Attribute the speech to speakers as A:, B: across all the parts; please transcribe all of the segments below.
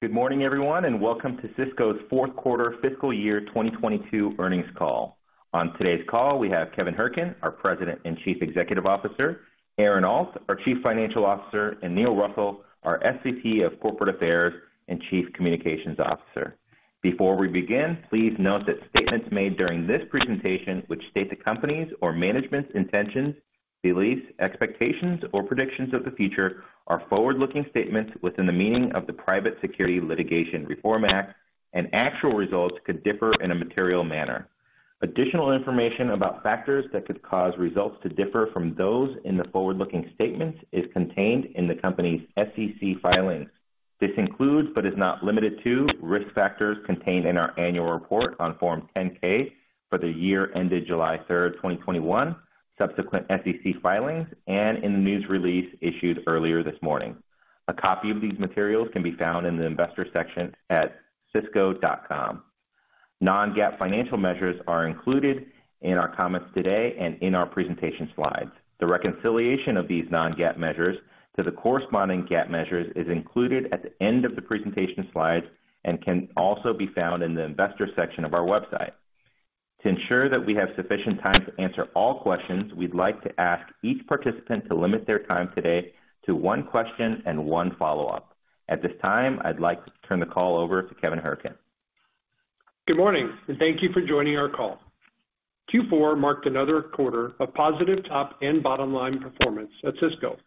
A: Good morning, everyone, and welcome to Sysco's fourth quarter fiscal year 2022 earnings call. On today's call, we have Kevin Hourican, our President and Chief Executive Officer, Aaron Alt, our Chief Financial Officer, and Neil Russell, our SVP of Corporate Affairs and Chief Communications Officer. Before we begin, please note that statements made during this presentation, which state the company's or management's intentions, beliefs, expectations, or predictions of the future are forward-looking statements within the meaning of the Private Securities Litigation Reform Act and actual results could differ in a material manner. Additional information about factors that could cause results to differ from those in the forward-looking statements is contained in the company's SEC filings. This includes, but is not limited to, risk factors contained in our annual report on Form 10-K for the year ended July 3rd, 2021, subsequent SEC filings, and in the news release issued earlier this morning. A copy of these materials can be found in the Investor section at Sysco.com. Non-GAAP financial measures are included in our comments today and in our presentation slides. The reconciliation of these non-GAAP measures to the corresponding GAAP measures is included at the end of the presentation slides and can also be found in the Investor section of our website. To ensure that we have sufficient time to answer all questions, we'd like to ask each participant to limit their time today to one question and one follow-up. At this time, I'd like to turn the call over to Kevin Hourican.
B: Good morning, and thank you for joining our call. Q4 marked another quarter of positive top and bottom line performance at Sysco.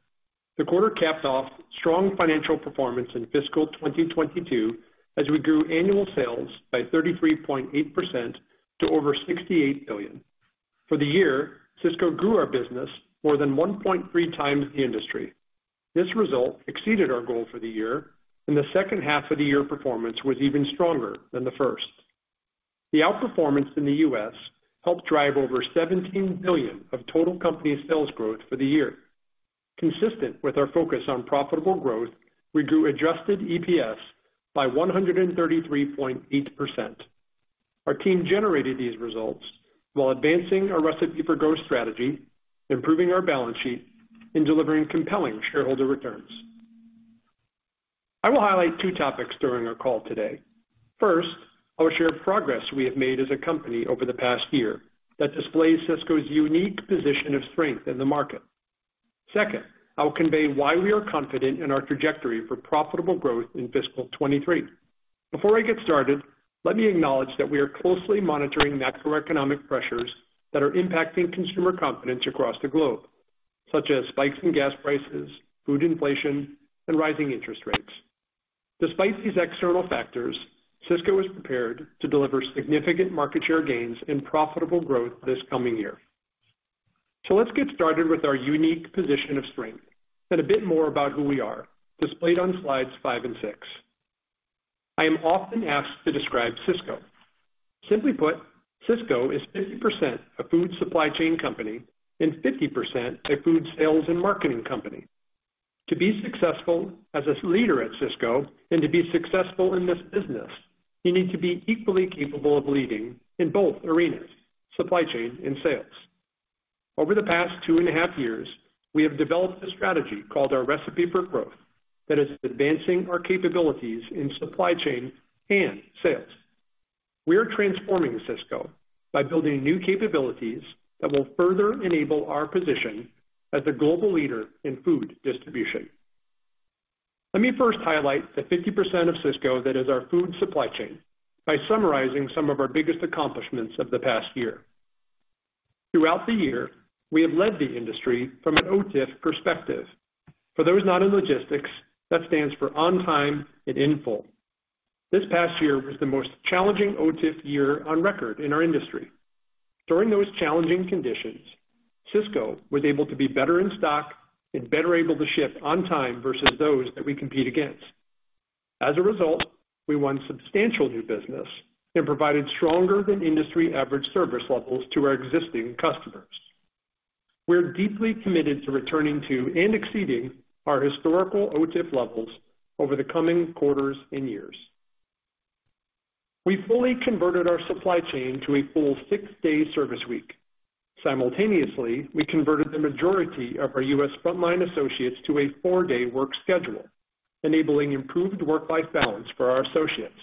B: The quarter capped off strong financial performance in fiscal 2022 as we grew annual sales by 33.8% to over $68 billion. For the year, Sysco grew our business more than 1.3x the industry. This result exceeded our goal for the year, and the second half of the year performance was even stronger than the first. The outperformance in the U.S. helped drive over $17 billion of total company sales growth for the year. Consistent with our focus on profitable growth, we grew Adjusted EPS by 133.8%. Our team generated these results while advancing our Recipe for Growth strategy, improving our balance sheet, and delivering compelling shareholder returns. I will highlight two topics during our call today. First, I will share progress we have made as a company over the past year that displays Sysco's unique position of strength in the market. Second, I will convey why we are confident in our trajectory for profitable growth in fiscal 2023. Before I get started, let me acknowledge that we are closely monitoring macroeconomic pressures that are impacting consumer confidence across the globe, such as spikes in gas prices, food inflation, and rising interest rates. Despite these external factors, Sysco is prepared to deliver significant market share gains and profitable growth this coming year. Let's get started with our unique position of strength and a bit more about who we are, displayed on slides five and six. I am often asked to describe Sysco. Simply put, Sysco is 50% a food supply chain company and 50% a food sales and marketing company. To be successful as a leader at Sysco and to be successful in this business, you need to be equally capable of leading in both arenas, supply chain and sales. Over the past two and a half years, we have developed a strategy called our Recipe for Growth that is advancing our capabilities in supply chain and sales. We are transforming Sysco by building new capabilities that will further enable our position as a global leader in food distribution. Let me first highlight the 50% of Sysco that is our food supply chain by summarizing some of our biggest accomplishments of the past year. Throughout the year, we have led the industry from an OTIF perspective. For those not in logistics, that stands for on time and in full. This past year was the most challenging OTIF year on record in our industry. During those challenging conditions, Sysco was able to be better in stock and better able to ship on time versus those that we compete against. As a result, we won substantial new business and provided stronger than industry average service levels to our existing customers. We're deeply committed to returning to and exceeding our historical OTIF levels over the coming quarters and years. We fully converted our supply chain to a full six-day service week. Simultaneously, we converted the majority of our U.S. frontline associates to a four-day work schedule, enabling improved work-life balance for our associates.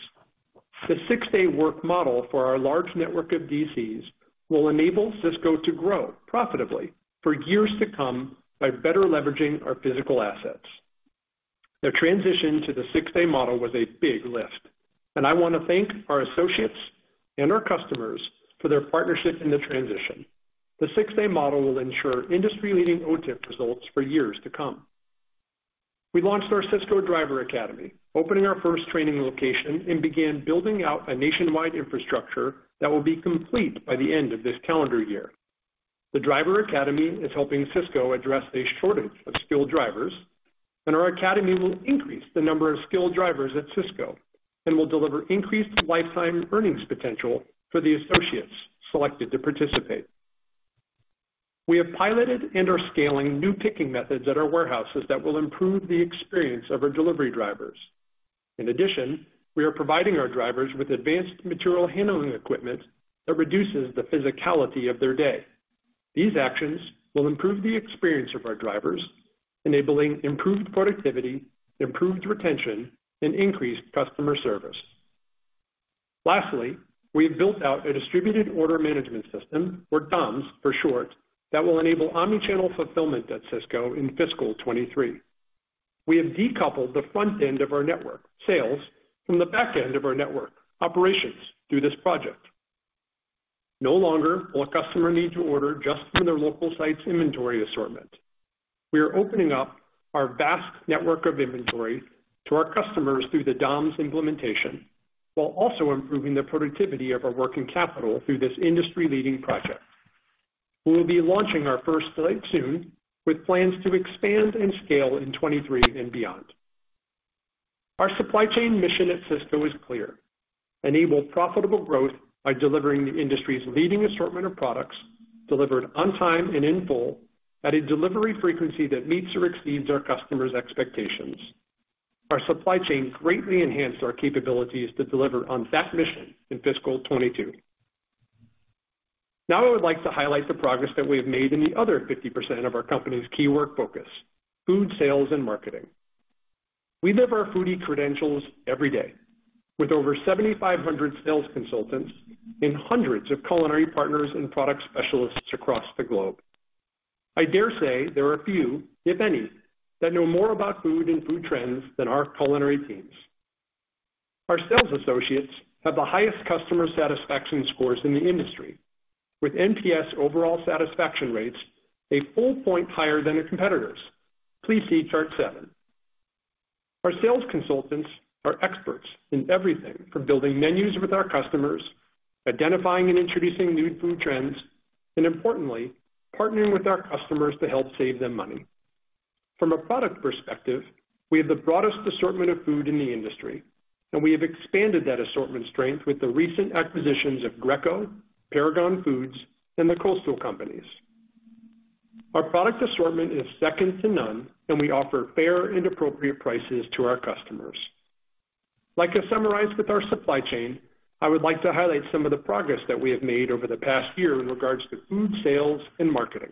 B: The six-day work model for our large network of DCs will enable Sysco to grow profitably for years to come by better leveraging our physical assets. The transition to the six-day model was a big lift, and I want to thank our associates and our customers for their partnership in the transition. The six-day model will ensure industry-leading OTIF results for years to come. We launched our Sysco Driver Academy, opening our first training location, and began building out a nationwide infrastructure that will be complete by the end of this calendar year. The Driver Academy is helping Sysco address a shortage of skilled drivers, and our academy will increase the number of skilled drivers at Sysco and will deliver increased lifetime earnings potential for the associates selected to participate. We have piloted and are scaling new picking methods at our warehouses that will improve the experience of our delivery drivers. In addition, we are providing our drivers with advanced material handling equipment that reduces the physicality of their day. These actions will improve the experience of our drivers, enabling improved productivity, improved retention and increased customer service. Lastly, we have built out a distributed order management system, or DOM for short, that will enable omni-channel fulfillment at Sysco in fiscal 2023. We have decoupled the front end of our network sales from the back end of our network operations through this project. No longer will a customer need to order just from their local site's inventory assortment. We are opening up our vast network of inventory to our customers through the DOM's implementation, while also improving the productivity of our working capital through this industry leading project. We will be launching our first flight soon with plans to expand and scale in 2023 and beyond. Our supply chain mission at Sysco is clear to enable profitable growth by delivering the industry's leading assortment of products delivered on time and in full at a delivery frequency that meets or exceeds our customers' expectations. Our supply chain greatly enhanced our capabilities to deliver on that mission in fiscal 2022. Now, I would like to highlight the progress that we have made in the other 50% of our company's key work focus food sales and marketing. We live our foodie credentials every day with over 7,500 sales consultants and hundreds of culinary partners and product specialists across the globe. I dare say there are few, if any, that know more about food and food trends than our culinary teams. Our sales associates have the highest customer satisfaction scores in the industry, with NPS overall satisfaction rates a full point higher than their competitors. Please see chart seven. Our sales consultants are experts in everything from building menus with our customers, identifying and introducing new food trends, and importantly, partnering with our customers to help save them money. From a product perspective, we have the broadest assortment of food in the industry and we have expanded that assortment strength with the recent acquisitions of Greco, Paragon Foods and The Coastal Companies. Our product assortment is second to none and we offer fair and appropriate prices to our customers. Like I summarized with our supply chain, I would like to highlight some of the progress that we have made over the past year in regards to food sales and marketing.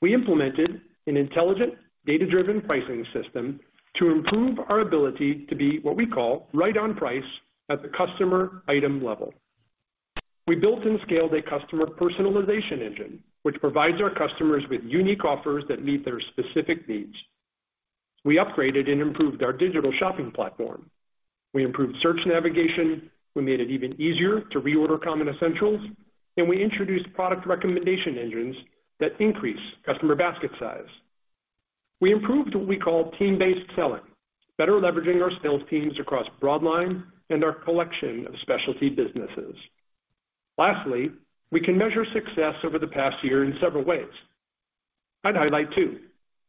B: We implemented an intelligent data driven pricing system to improve our ability to be what we call right on price at the customer item level. We built and scaled a customer personalization engine which provides our customers with unique offers that meet their specific needs. We upgraded and improved our digital shopping platform. We improved search navigation. We made it even easier to reorder common essentials and we introduced product recommendation engines that increase customer basket size. We improved what we call team-based selling, better leveraging our sales teams across broadline and our collection of specialty businesses. Lastly, we can measure success over the past year in several ways. I'd highlight two.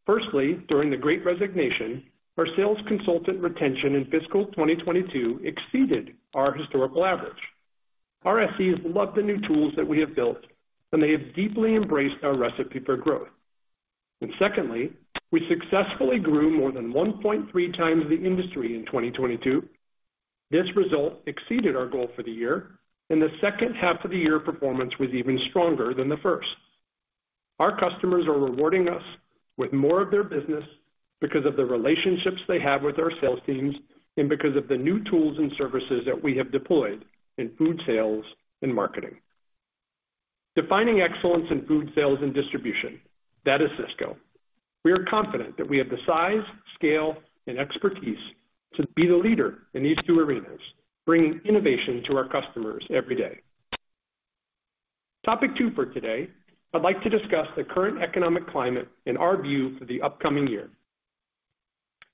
B: Firstly, during the Great Resignation, our sales consultant retention in fiscal 2022 exceeded our historical average. Our SCs love the new tools that we have built and they have deeply embraced our Recipe for Growth. Secondly, we successfully grew more than 1.3x the industry in 2022. This result exceeded our goal for the year and the second half of the year performance was even stronger than the first. Our customers are rewarding us with more of their business because of the relationships they have with our sales teams and because of the new tools and services that we have deployed in food sales and marketing. Defining excellence in food sales and distribution, that is Sysco. We are confident that we have the size, scale and expertise to be the leader in these two arenas, bringing innovation to our customers every day. Topic two for today, I'd like to discuss the current economic climate and our view for the upcoming year.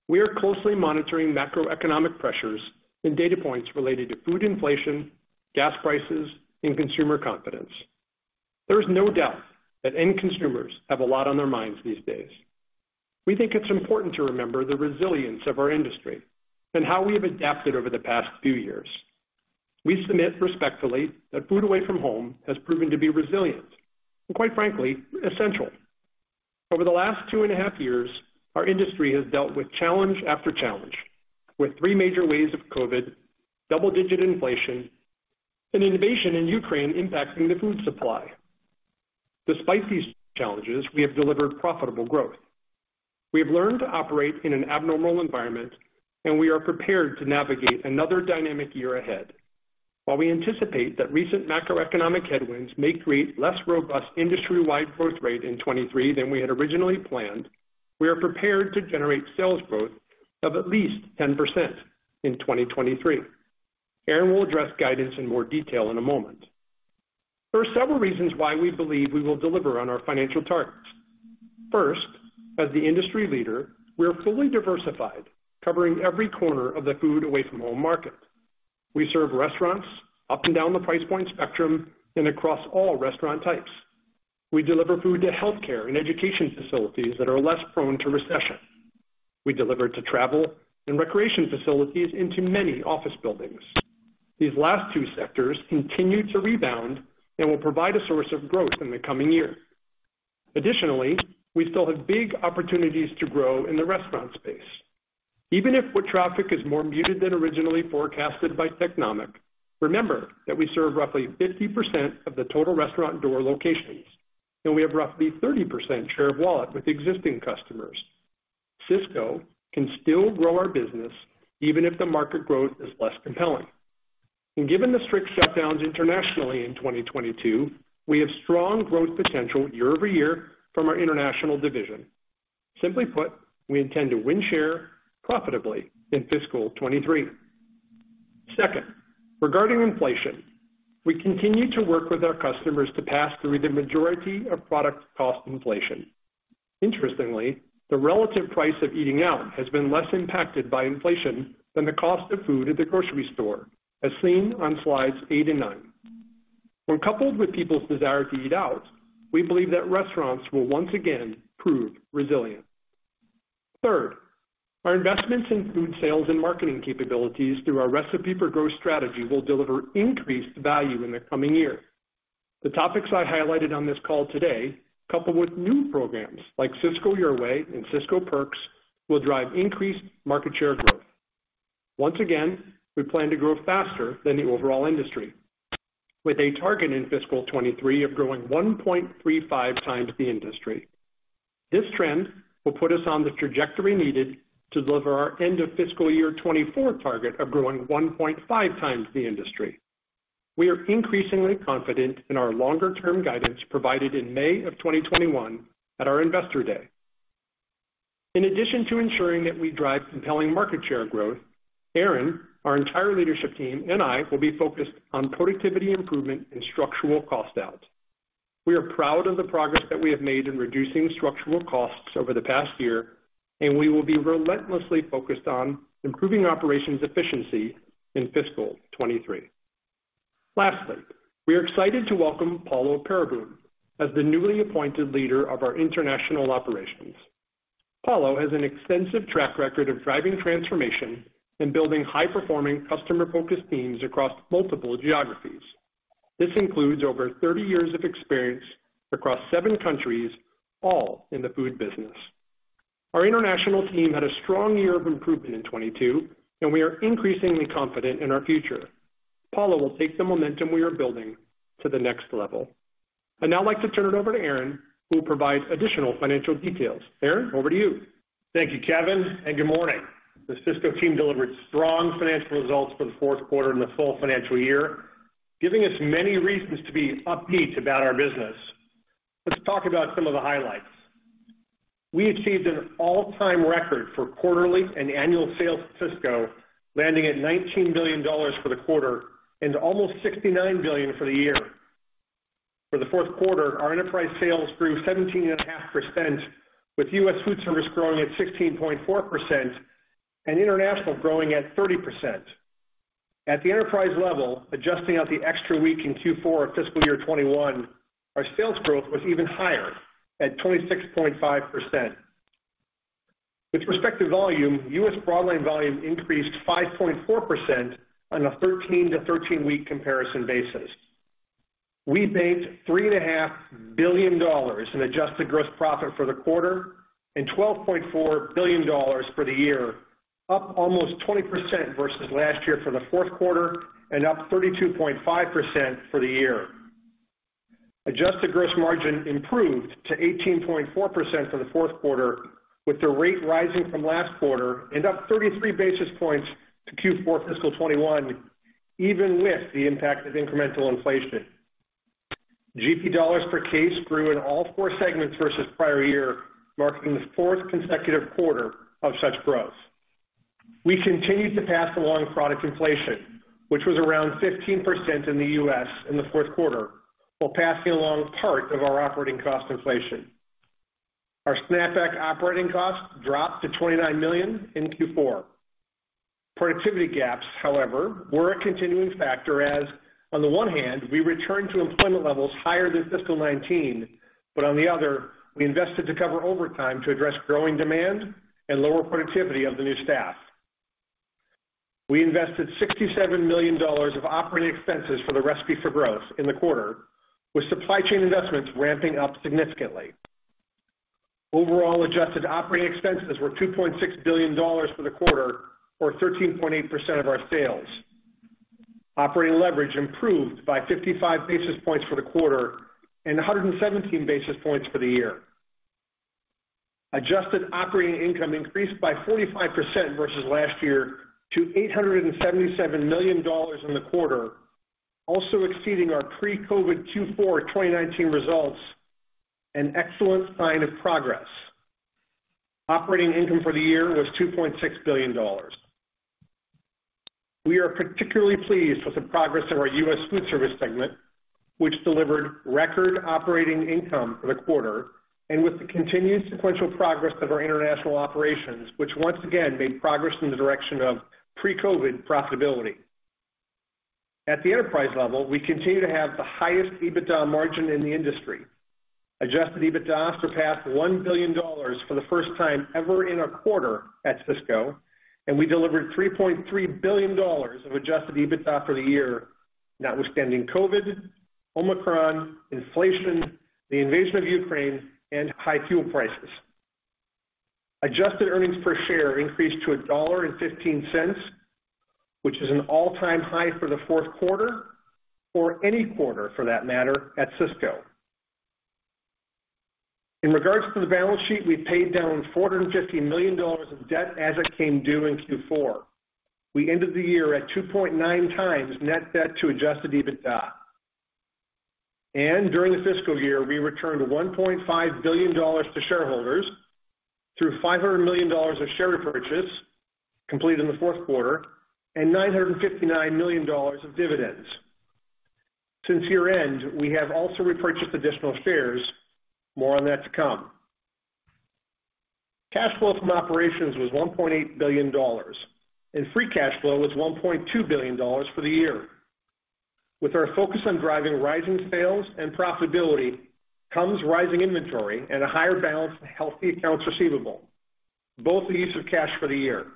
B: We are closely monitoring macroeconomic pressures and data points related to food inflation, gas prices and consumer confidence. There is no doubt that end consumers have a lot on their minds these days. We think it's important to remember the resilience of our industry and how we have adapted over the past few years. We submit respectfully that food away from home has proven to be resilient and quite frankly, essential. Over the last two and a half years, our industry has dealt with challenge after challenge with three major waves of COVID, double-digit inflation and invasion of Ukraine impacting the food supply. Despite these challenges, we have delivered profitable growth. We have learned to operate in an abnormal environment and we are prepared to navigate another dynamic year ahead. While we anticipate that recent macroeconomic headwinds may create less robust industry-wide growth rate in 2023 than we had originally planned, we are prepared to generate sales growth of at least 10% in 2023. Aaron will address guidance in more detail in a moment. There are several reasons why we believe we will deliver on our financial targets. First, as the industry leader, we are fully diversified, covering every corner of the food away from home market. We serve restaurants up and down the price point spectrum and across all restaurant types. We deliver food to healthcare and education facilities that are less prone to recession. We deliver to travel and recreation facilities into many office buildings. These last two sectors continue to rebound and will provide a source of growth in the coming year. Additionally, we still have big opportunities to grow in the restaurant space. Even if foot traffic is more muted than originally forecasted by Technomic, remember that we serve roughly 50% of the total restaurant door locations, and we have roughly 30% share of wallet with existing customers. Sysco can still grow our business even if the market growth is less compelling. Given the strict shutdowns internationally in 2022, we have strong growth potential year over year from our international division. Simply put, we intend to win share profitably in fiscal 2023. Second, regarding inflation, we continue to work with our customers to pass through the majority of product cost inflation. Interestingly, the relative price of eating out has been less impacted by inflation than the cost of food at the grocery store, as seen on slides eight and nine. When coupled with people's desire to eat out, we believe that restaurants will once again prove resilient. Third, our investments in food sales and marketing capabilities through our Recipe for Growth strategy will deliver increased value in the coming year. The topics I highlighted on this call today, coupled with new programs like Sysco Your Way and Sysco Perks, will drive increased market share growth. Once again, we plan to grow faster than the overall industry, with a target in fiscal 2023 of growing 1.35x the industry. This trend will put us on the trajectory needed to deliver our end of fiscal year 2024 target of growing 1.5x the industry. We are increasingly confident in our longer term guidance provided in May of 2021 at our Investor Day. In addition to ensuring that we drive compelling market share growth, Aaron, our entire leadership team and I will be focused on productivity improvement and structural cost outs. We are proud of the progress that we have made in reducing structural costs over the past year, and we will be relentlessly focused on improving operations efficiency in fiscal 2023. Lastly, we are excited to welcome Paulo Peereboom as the newly appointed leader of our international operations. Paulo has an extensive track record of driving transformation and building high performing customer focused teams across multiple geographies. This includes over 30 years of experience across seven countries, all in the food business. Our international team had a strong year of improvement in 2022, and we are increasingly confident in our future. Paulo will take the momentum we are building to the next level. I'd now like to turn it over to Aaron, who will provide additional financial details. Aaron, over to you.
C: Thank you, Kevin, and good morning. The Sysco team delivered strong financial results for the fourth quarter and the full financial year, giving us many reasons to be upbeat about our business. Let's talk about some of the highlights. We achieved an all time record for quarterly and annual sales for Sysco, landing at $19 billion for the quarter and almost $69 billion for the year. For the fourth quarter, our enterprise sales grew 17.5%, with US Foodservice growing at 16.4% and international growing at 30%. At the enterprise level, adjusting out the extra week in Q4 of fiscal year 2021, our sales growth was even higher at 26.5%. With respect to volume, U.S. broadline volume increased 5.4% on a 13-to-13 week comparison basis. We made $3.5 billion in adjusted Gross Profit for the quarter and $12.4 billion for the year, up almost 20% versus last year for the fourth quarter and up 32.5% for the year. Adjusted gross margin improved to 18.4% for the fourth quarter, with the rate rising from last quarter and up 33 basis points to Q4 fiscal 2021 even with the impact of incremental inflation. GP dollars per case grew in all four segments versus prior year, marking the fourth consecutive quarter of such growth. We continued to pass along product inflation, which was around 15% in the U.S. in the fourth quarter, while passing along part of our operating cost inflation. Our snap-back operating cost dropped to $29 million in Q4. Productivity gaps, however, were a continuing factor, as on the one hand, we returned to employment levels higher than fiscal 2019, but on the other, we invested to cover overtime to address growing demand and lower productivity of the new staff. We invested $67 million of operating expenses for the Recipe for Growth in the quarter, with supply chain investments ramping up significantly. Overall adjusted operating expenses were $2.6 billion for the quarter or 13.8% of our sales. Operating leverage improved by 55 basis points for the quarter and 117 basis points for the year. Adjusted operating income increased by 45% versus last year to $877 million in the quarter, also exceeding our pre-COVID Q4 2019 results, an excellent sign of progress. Operating income for the year was $2.6 billion. We are particularly pleased with the progress of our US Foodservice segment, which delivered record operating income for the quarter, and with the continued sequential progress of our international operations, which once again made progress in the direction of pre-COVID profitability. At the enterprise level, we continue to have the highest EBITDA margin in the industry. Adjusted EBITDA surpassed $1 billion for the first time ever in a quarter at Sysco, and we delivered $3.3 billion of Adjusted EBITDA for the year. Notwithstanding COVID, Omicron, inflation, the invasion of Ukraine, and high fuel prices. Adjusted earnings per share increased to $1.15, which is an all-time high for the fourth quarter or any quarter for that matter, at Sysco. In regards to the balance sheet, we paid down $450 million of debt as it came due in Q4. We ended the year at 2.9x net debt to Adjusted EBITDA. During the fiscal year, we returned $1.5 billion to shareholders through $500 million of share repurchase completed in the fourth quarter and $959 million of dividends. Since year-end, we have also repurchased additional shares. More on that to come. Cash flow from operations was $1.8 billion and free cash flow was $1.2 billion for the year. With our focus on driving rising sales and profitability comes rising inventory at a higher balance and healthy accounts receivable, both the use of cash for the year.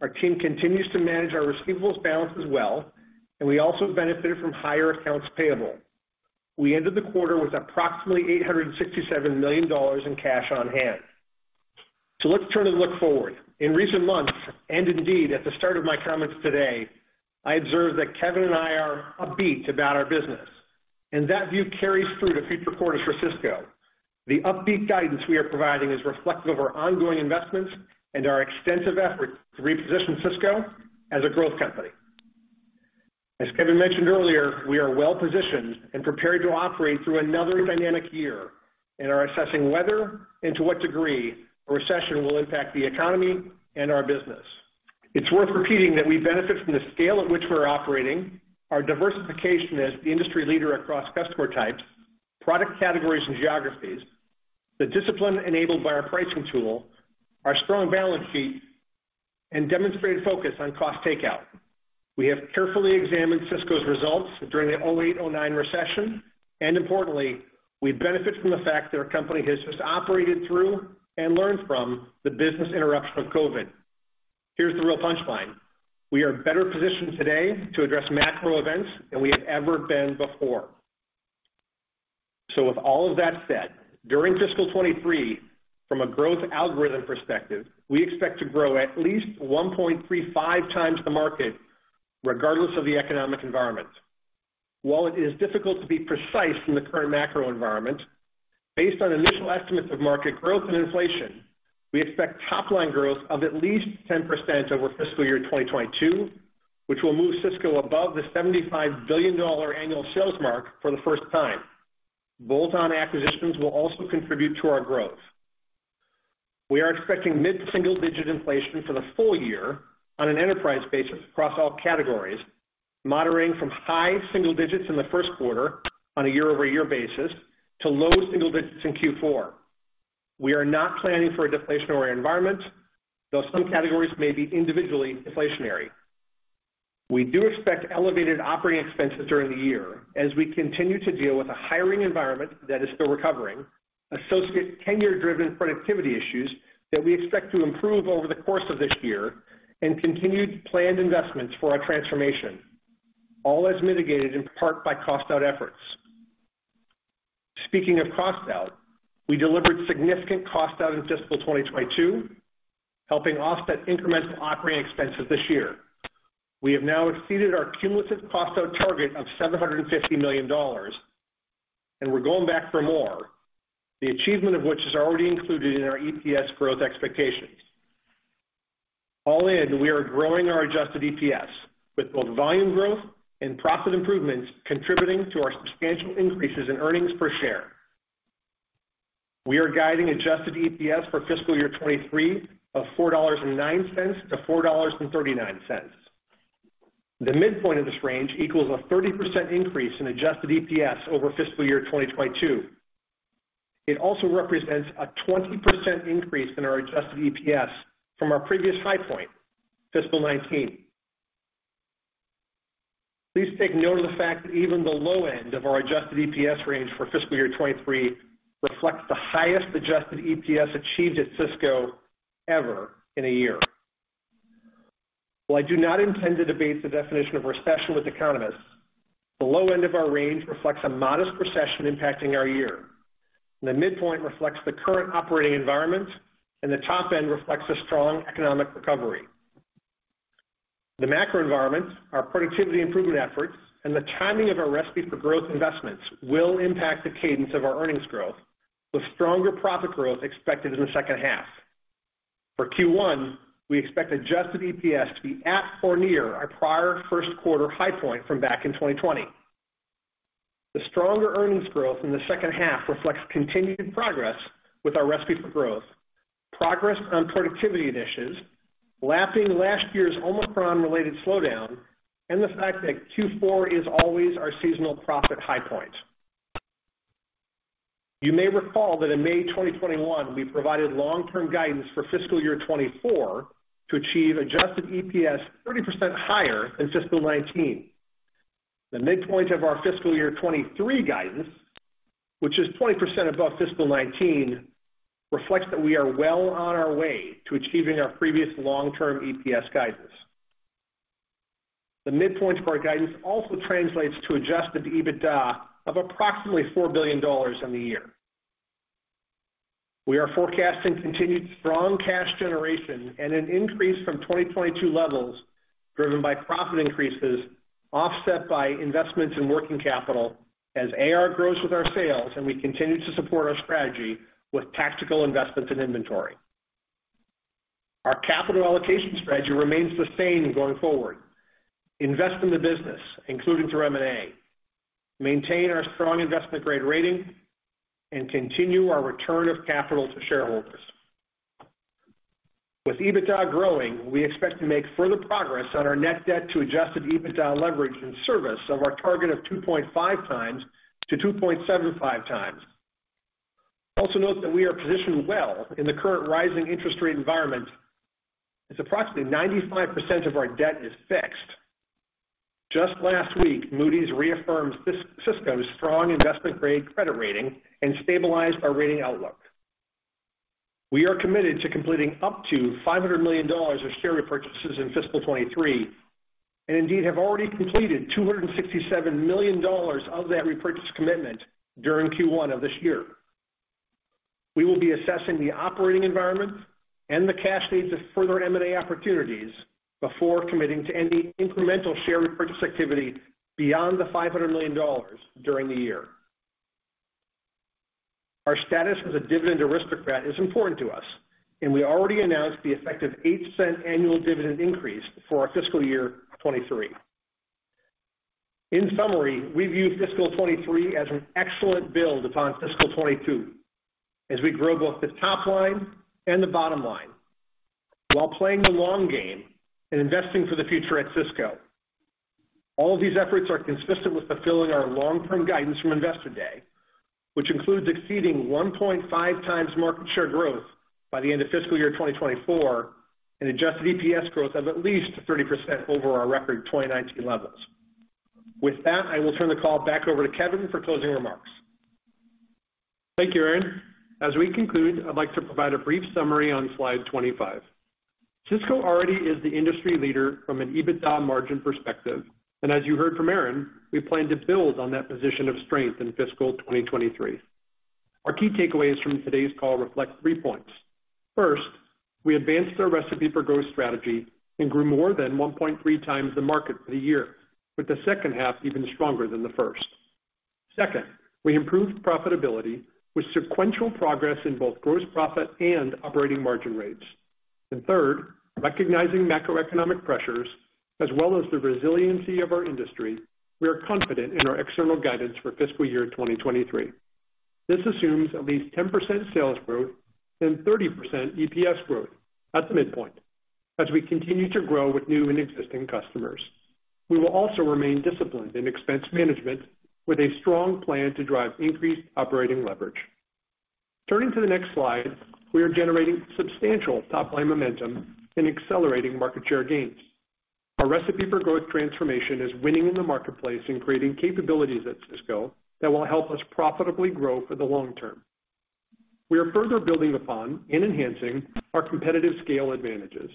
C: Our team continues to manage our receivables balance as well, and we also benefited from higher accounts payable. We ended the quarter with approximately $867 million in cash on hand. Let's turn and look forward. In recent months, and indeed at the start of my comments today, I observed that Kevin and I are upbeat about our business, and that view carries through to future quarters for Sysco. The upbeat guidance we are providing is reflective of our ongoing investments and our extensive efforts to reposition Sysco as a growth company. As Kevin mentioned earlier, we are well-positioned and prepared to operate through another dynamic year and are assessing whether and to what degree a recession will impact the economy and our business. It's worth repeating that we benefit from the scale at which we're operating, our diversification as the industry leader across customer types, product categories and geographies, the discipline enabled by our pricing tool, our strong balance sheet, and demonstrated focus on cost takeout. We have carefully examined Sysco's results during the 2008, 2009 recession, and importantly, we benefit from the fact that our company has just operated through and learned from the business interruption of COVID. Here's the real punchline: We are better positioned today to address macro events than we have ever been before. With all of that said, during fiscal 2023, from a growth algorithm perspective, we expect to grow at least 1.35x the market regardless of the economic environment. While it is difficult to be precise in the current macro environment, based on initial estimates of market growth and inflation, we expect top-line growth of at least 10% over fiscal year 2022, which will move Sysco above the $75 billion annual sales mark for the first time. Bolt-on acquisitions will also contribute to our growth. We are expecting mid-single-digit inflation for the full year on an enterprise basis across all categories, moderating from high single digits in the first quarter on a year-over-year basis to low single digits in Q4. We are not planning for a deflationary environment, though some categories may be individually inflationary. We do expect elevated operating expenses during the year as we continue to deal with a hiring environment that is still recovering, associate tenure-driven productivity issues that we expect to improve over the course of this year, and continued planned investments for our transformation, all as mitigated in part by cost out efforts. Speaking of cost out, we delivered significant cost out in fiscal 2022, helping offset incremental operating expenses this year. We have now exceeded our cumulative cost out target of $750 million, and we're going back for more. The achievement of which is already included in our EPS growth expectations. All in, we are growing our Adjusted EPS with both volume growth and profit improvements contributing to our substantial increases in earnings per share. We are guiding Adjusted EPS for fiscal year 2023 of $4.09 to $4.39. The midpoint of this range equals a 30% increase in Adjusted EPS over fiscal year 2022. It also represents a 20% increase in our Adjusted EPS from our previous high point, fiscal 2019. Please take note of the fact that even the low end of our Adjusted EPS range for fiscal year 2023 reflects the highest Adjusted EPS achieved at Sysco ever in a year. While I do not intend to debate the definition of recession with economists, the low end of our range reflects a modest recession impacting our year. The midpoint reflects the current operating environment, and the top end reflects a strong economic recovery. The macro environment, our productivity improvement efforts, and the timing of our Recipe for Growth investments will impact the cadence of our earnings growth, with stronger profit growth expected in the second half. For Q1, we expect Adjusted EPS to be at or near our prior first quarter high point from back in 2020. The stronger earnings growth in the second half reflects continued progress with our Recipe for Growth, progress on productivity initiatives, lapping last year's Omicron related slowdown, and the fact that Q4 is always our seasonal profit high point. You may recall that in May 2021, we provided long-term guidance for fiscal year 2024 to achieve Adjusted EPS 30% higher than fiscal 2019. The midpoint of our fiscal year 2023 guidance, which is 20% above fiscal 2019, reflects that we are well on our way to achieving our previous long-term EPS guidances. The midpoint for our guidance also translates to Adjusted EBITDA of approximately $4 billion in the year. We are forecasting continued strong cash generation and an increase from 2022 levels driven by profit increases, offset by investments in working capital as AR grows with our sales and we continue to support our strategy with tactical investments in inventory. Our capital allocation strategy remains the same going forward. Invest in the business, including through M&A, maintain our strong investment grade rating, and continue our return of capital to shareholders. With EBITDA growing, we expect to make further progress on our net debt to Adjusted EBITDA leverage in service of our target of 2.5x to 2.75x. Also note that we are positioned well in the current rising interest rate environment, as approximately 95% of our debt is fixed. Just last week, Moody's reaffirmed Sysco's strong investment grade credit rating and stabilized our rating outlook. We are committed to completing up to $500 million of share repurchases in fiscal 2023, and indeed have already completed $267 million of that repurchase commitment during Q1 of this year. We will be assessing the operating environment and the cash needs of further M&A opportunities before committing to any incremental share repurchase activity beyond the $500 million during the year. Our status as a dividend aristocrat is important to us, and we already announced the effective $0.08 annual dividend increase for our fiscal year 2023. In summary, we view fiscal 2023 as an excellent build upon fiscal 2022, as we grow both the top line and the bottom line, while playing the long game and investing for the future at Sysco. All of these efforts are consistent with fulfilling our long term guidance from Investor Day, which includes exceeding 1.5x market share growth by the end of fiscal year 2024 and Adjusted EPS growth of at least 30% over our record 2019 levels. With that, I will turn the call back over to Kevin for closing remarks.
B: Thank you, Aaron. As we conclude, I'd like to provide a brief summary on slide 25. Sysco already is the industry leader from an EBITDA margin perspective, and as you heard from Aaron, we plan to build on that position of strength in fiscal 2023. Our key takeaways from today's call reflect three points. First, we advanced our Recipe for Growth strategy and grew more than 1.3x the market for the year, with the second half even stronger than the first. Second, we improved profitability with sequential progress in both Gross Profit and operating margin rates. Third, recognizing macroeconomic pressures as well as the resiliency of our industry, we are confident in our external guidance for fiscal year 2023.
C: This assumes at least 10% sales growth and 30% EPS growth at the midpoint as we continue to grow with new and existing customers. We will also remain disciplined in expense management with a strong plan to drive increased operating leverage. Turning to the next slide, we are generating substantial top line momentum and accelerating market share gains. Our Recipe for Growth transformation is winning in the marketplace and creating capabilities at Sysco that will help us profitably grow for the long term. We are further building upon and enhancing our competitive scale advantages.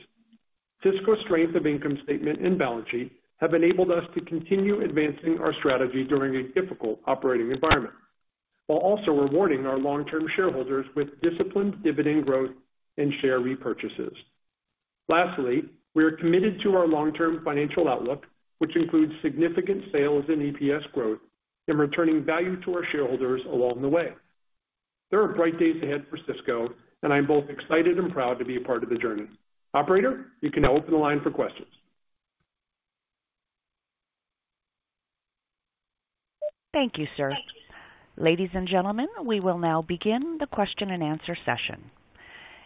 C: Sysco's strength of income statement and balance sheet have enabled us to continue advancing our strategy during a difficult operating environment, while also rewarding our long term shareholders with disciplined dividend growth and share repurchases. Lastly, we are committed to our long term financial outlook, which includes significant sales and EPS growth and returning value to our shareholders along the way. There are bright days ahead for Sysco, and I'm both excited and proud tor be a part of the journey. Operator, you can now open the line for questions.
D: Thank you, sir. Ladies and gentlemen, we will now begin the question and answer session.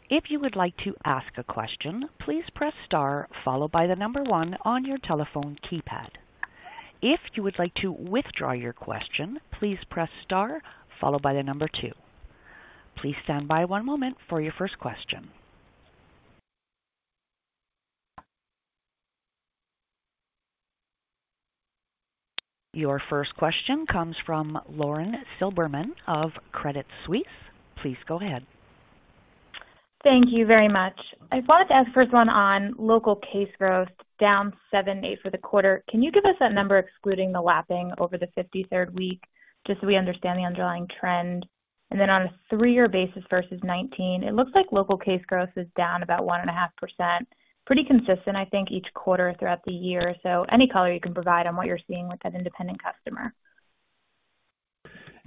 D: If you would like to ask a question, please press star followed by the number one on your telephone keypad. If you would like to withdraw your question, please press star followed by the number two. Please stand by one moment for your first question. Your first question comes from Lauren Silberman of Credit Suisse. Please go ahead.
E: Thank you very much. I wanted to ask first one on local case growth down 7%-8% for the quarter. Can you give us that number excluding the lapping over the 53rd week, just so we understand the underlying trend? On a three-year basis versus 2019, it looks like local case growth is down about 1.5%. Pretty consistent, I think, each quarter throughout the year. Any color you can provide on what you're seeing with that independent customer.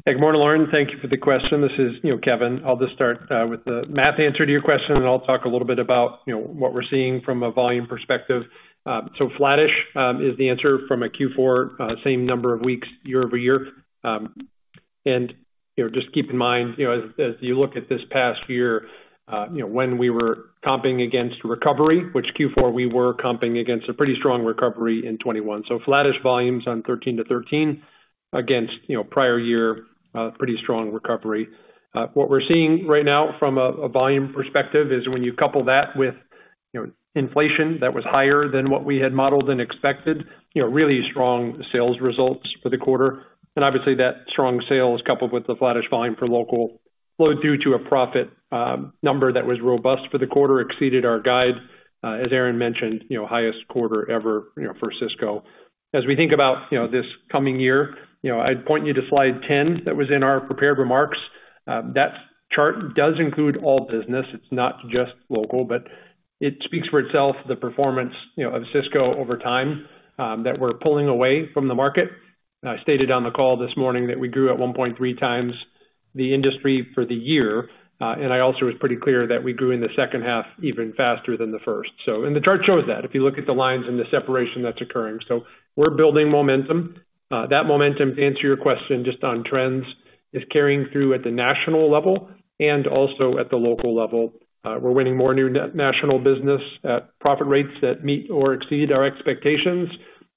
B: Good morning, Lauren. Thank you for the question. This is, you know, Kevin. I'll just start with the math answer to your question, and I'll talk a little bit about, you know, what we're seeing from a volume perspective. Flattish is the answer from a Q4 same number of weeks year-over-year. You know, just keep in mind, you know, as you look at this past year, you know, when we were comping against recovery, which Q4 we were comping against a pretty strong recovery in 2021. Flattish volumes on 13-13 against, you know, prior year, pretty strong recovery. What we're seeing right now from a volume perspective is when you couple that with, you know, inflation that was higher than what we had modeled and expected, you know, really strong sales results for the quarter. Obviously that strong sales coupled with the flattish volume for local. Well, Gross Profit number that was robust for the quarter exceeded our guide, as Aaron mentioned, you know, highest quarter ever, you know, for Sysco. As we think about, you know, this coming year, you know, I'd point you to slide 10 that was in our prepared remarks. That chart does include all business. It's not just local, but it speaks for itself, the performance, you know, of Sysco over time, that we're pulling away from the market. I stated on the call this morning that we grew at 1.3x the industry for the year. I also was pretty clear that we grew in the second half even faster than the first. The chart shows that if you look at the lines and the separation that's occurring. We're building momentum. That momentum, to answer your question just on trends, is carrying through at the national level and also at the local level. We're winning more new national business at profit rates that meet or exceed our expectations,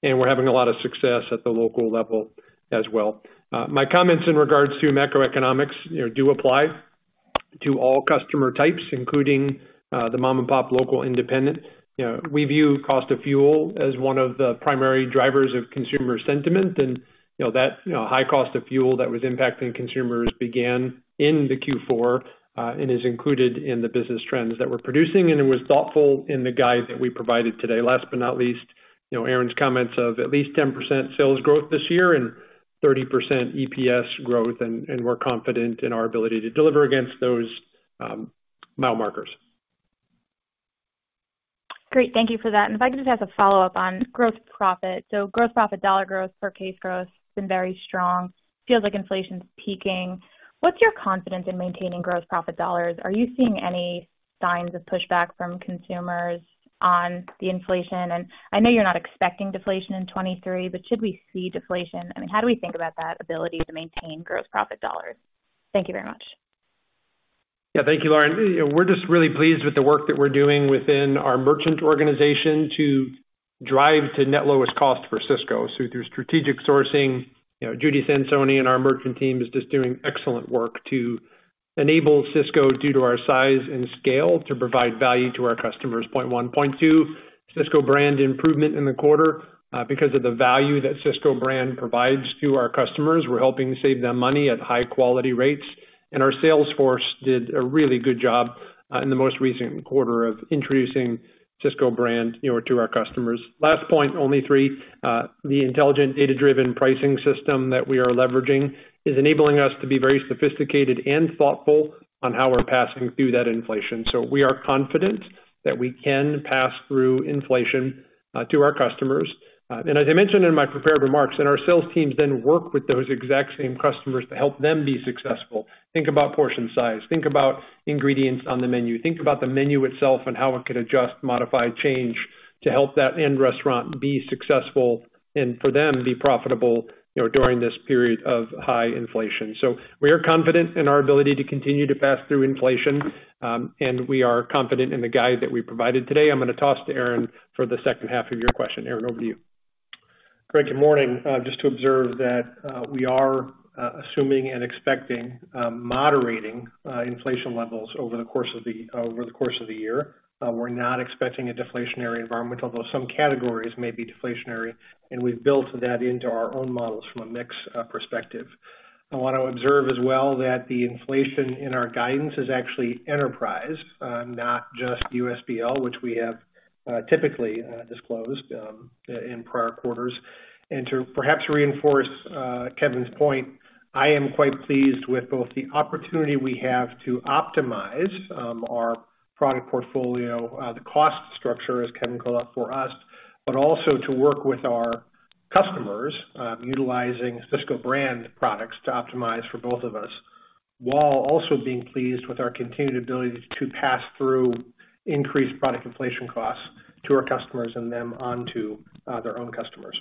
B: and we're having a lot of success at the local level as well. My comments in regards to macroeconomics, you know, do apply to all customer types, including the mom-and-pop local independent. You know, we view cost of fuel as one of the primary drivers of consumer sentiment. You know, that high cost of fuel that was impacting consumers began in the Q4 and is included in the business trends that we're producing, and it was factored in the guide that we provided today. Last but not least, you know, Aaron's comments of at least 10% sales growth this year and 30% EPS growth, and we're confident in our ability to deliver against those mile markers.
E: Great. Thank you for that. If I could just ask a follow-up on Gross Profit. Gross Profit dollar growth per case growth has been very strong. Feels like inflation is peaking. What's your confidence in maintaining Gross Profit dollars? Are you seeing any signs of pushback from consumers on the inflation? I know you're not expecting deflation in 2023, but should we see deflation? I mean, how do we think about that ability to maintain Gross Profit dollars? Thank you very much.
B: Yeah, thank you, Lauren. You know, we're just really pleased with the work that we're doing within our merchant organization to drive to net lowest cost for Sysco. Through strategic sourcing, you know, Judy Sansone and our merchant team is just doing excellent work to enable Sysco, due to our size and scale, to provide value to our customers, point one. Point two, Sysco brand improvement in the quarter, because of the value that Sysco brand provides to our customers. We're helping save them money at high quality rates. Our sales force did a really good job, in the most recent quarter of introducing Sysco brand, you know, to our customers. Last point, only three. The intelligent data-driven pricing system that we are leveraging is enabling us to be very sophisticated and thoughtful on how we're passing through that inflation. We are confident that we can pass through inflation to our customers. As I mentioned in my prepared remarks, our sales teams then work with those exact same customers to help them be successful. Think about portion size. Think about ingredients on the menu. Think about the menu itself and how it could adjust, modify, change to help that end restaurant be successful and for them be profitable, you know, during this period of high inflation. We are confident in our ability to continue to pass through inflation, and we are confident in the guide that we provided today. I'm gonna toss to Aaron for the second half of your question. Aaron, over to you.
C: Great. Good morning. Just to observe that we are assuming and expecting moderating inflation levels over the course of the year. We're not expecting a deflationary environment, although some categories may be deflationary, and we've built that into our own models from a mix perspective. I wanna observe as well that the inflation in our guidance is actually enterprise, not just USBL, which we have typically disclosed in prior quarters. To perhaps reinforce Kevin's point, I am quite pleased with both the opportunity we have to optimize our product portfolio, the cost structure, as Kevin called out, for us, but also to work with our customers, utilizing Sysco brand products to optimize for both of us, while also being pleased with our continued ability to pass through increased product inflation costs to our customers and then onto their own customers.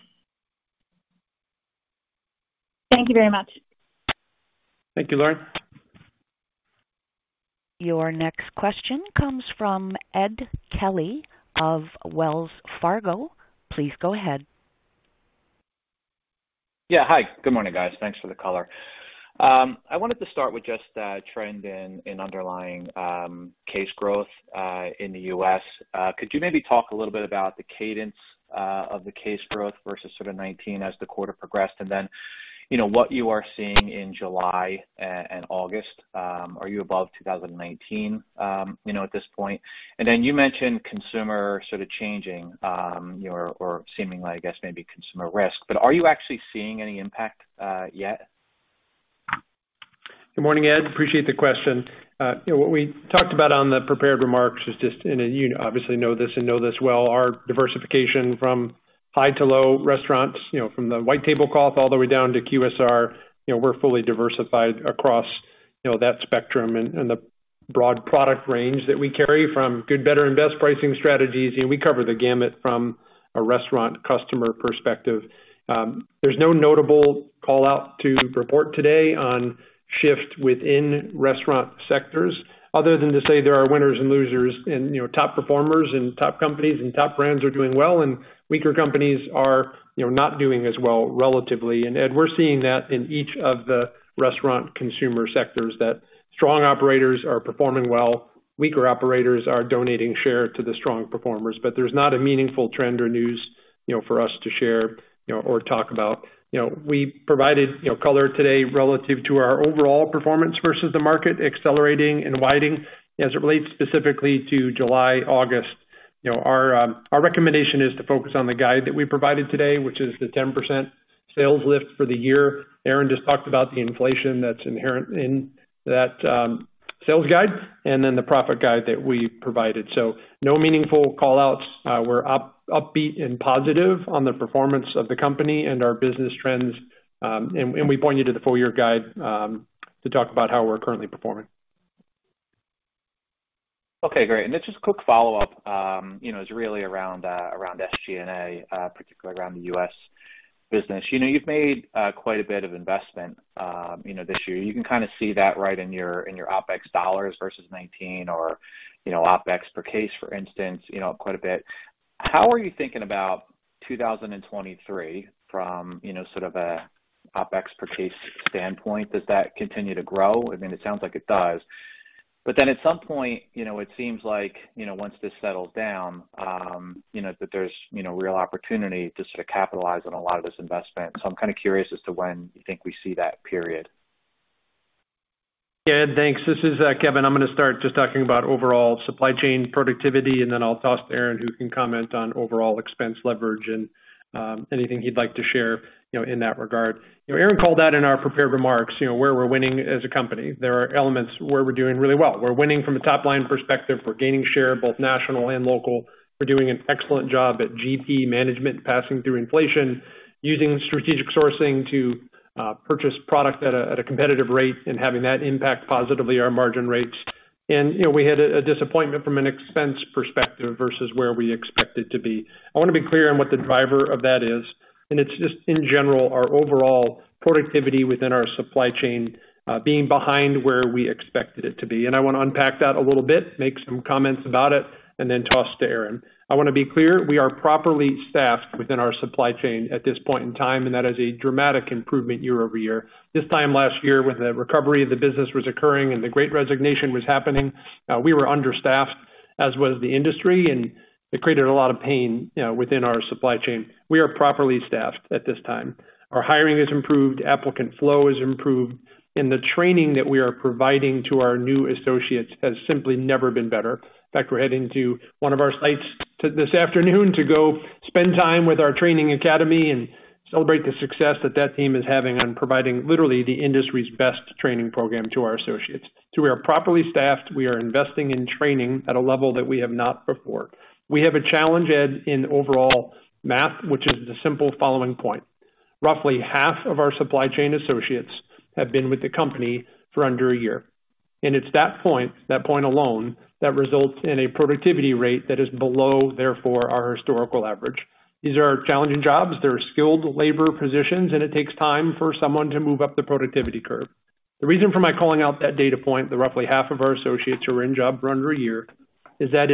E: Thank you very much.
B: Thank you, Lauren.
D: Your next question comes from Ed Kelly of Wells Fargo. Please go ahead.
F: Yeah. Hi. Good morning, guys. Thanks for the color. I wanted to start with just the trend in underlying case growth in the U.S. Could you maybe talk a little bit about the cadence of the case growth versus sort of 2019 as the quarter progressed? Then, you know, what you are seeing in July and August, are you above 2019 at this point? Then you mentioned consumer sort of changing, or seeming like, I guess maybe consumer mix. Are you actually seeing any impact yet?
B: Good morning, Ed. Appreciate the question. You know what we talked about on the prepared remarks is, and you obviously know this well, our diversification from high to low restaurants, you know, from the white tablecloth all the way down to QSR. You know, we're fully diversified across, you know, that spectrum and the broad product range that we carry from good, better, and best pricing strategies. You know, we cover the gamut from a restaurant customer perspective. There's no notable call-out to report today on shift within restaurant sectors other than to say there are winners and losers and, you know, top performers and top companies and top brands are doing well, and weaker companies are, you know, not doing as well relatively. Ed, we're seeing that in each of the restaurant consumer sectors, that strong operators are performing well. Weaker operators are donating share to the strong performers. There's not a meaningful trend or news, you know, for us to share, you know, or talk about. You know, we provided, you know, color today relative to our overall performance versus the market accelerating and widening as it relates specifically to July, August. You know, our recommendation is to focus on the guide that we provided today, which is the 10% sales lift for the year. Aaron just talked about the inflation that's inherent in that, sales guide and then the profit guide that we provided. No meaningful call-outs. We're upbeat and positive on the performance of the company and our business trends. And we point you to the full year guide, to talk about how we're currently performing.
F: Okay, great. Just a quick follow-up, you know, is really around around SG&A, particularly around the U.S. business. You know, you've made quite a bit of investment, you know, this year. You can kinda see that right in your OpEx dollars versus 2019 or, you know, OpEx per case, for instance, you know, quite a bit. How are you thinking about 2023 from, you know, sort of a OpEx per case standpoint? Does that continue to grow? I mean, it sounds like it does. At some point, you know, it seems like, you know, once this settles down, you know, that there's, you know, real opportunity to sort of capitalize on a lot of this investment. I'm kinda curious as to when you think we see that period.
B: Yeah. Thanks. This is Kevin. I'm gonna start just talking about overall supply chain productivity, and then I'll toss to Aaron, who can comment on overall expense leverage and anything he'd like to share, you know, in that regard. You know, Aaron called out in our prepared remarks, you know, where we're winning as a company. There are elements where we're doing really well. We're winning from a top-line perspective. We're gaining share, both national and local. We're doing an excellent job at GP management, passing through inflation, using strategic sourcing to purchase product at a competitive rate and having that impact positively our margin rates. We had a disappointment from an expense perspective versus where we expected to be. I wanna be clear on what the driver of that is, and it's just in general, our overall productivity within our supply chain, being behind where we expected it to be. I wanna unpack that a little bit, make some comments about it, and then toss to Aaron. I wanna be clear, we are properly staffed within our supply chain at this point in time, and that is a dramatic improvement year-over-year. This time last year, when the recovery of the business was occurring and the Great Resignation was happening, we were understaffed, as was the industry, and it created a lot of pain, you know, within our supply chain. We are properly staffed at this time. Our hiring has improved, applicant flow has improved, and the training that we are providing to our new associates has simply never been better. In fact, we're heading to one of our sites this afternoon to go spend time with our training academy and celebrate the success that team is having on providing literally the industry's best training program to our associates. We are properly staffed. We are investing in training at a level that we have not before. We have a challenge, Ed, in overall manpower, which is simply the following point. Roughly half of our supply chain associates have been with the company for under a year, and it's that point alone that results in a productivity rate that is below our historical average. These are challenging jobs. They're skilled labor positions, and it takes time for someone to move up the productivity curve. The reason for my calling out that data point, that roughly half of our associates are in job for under a year, is that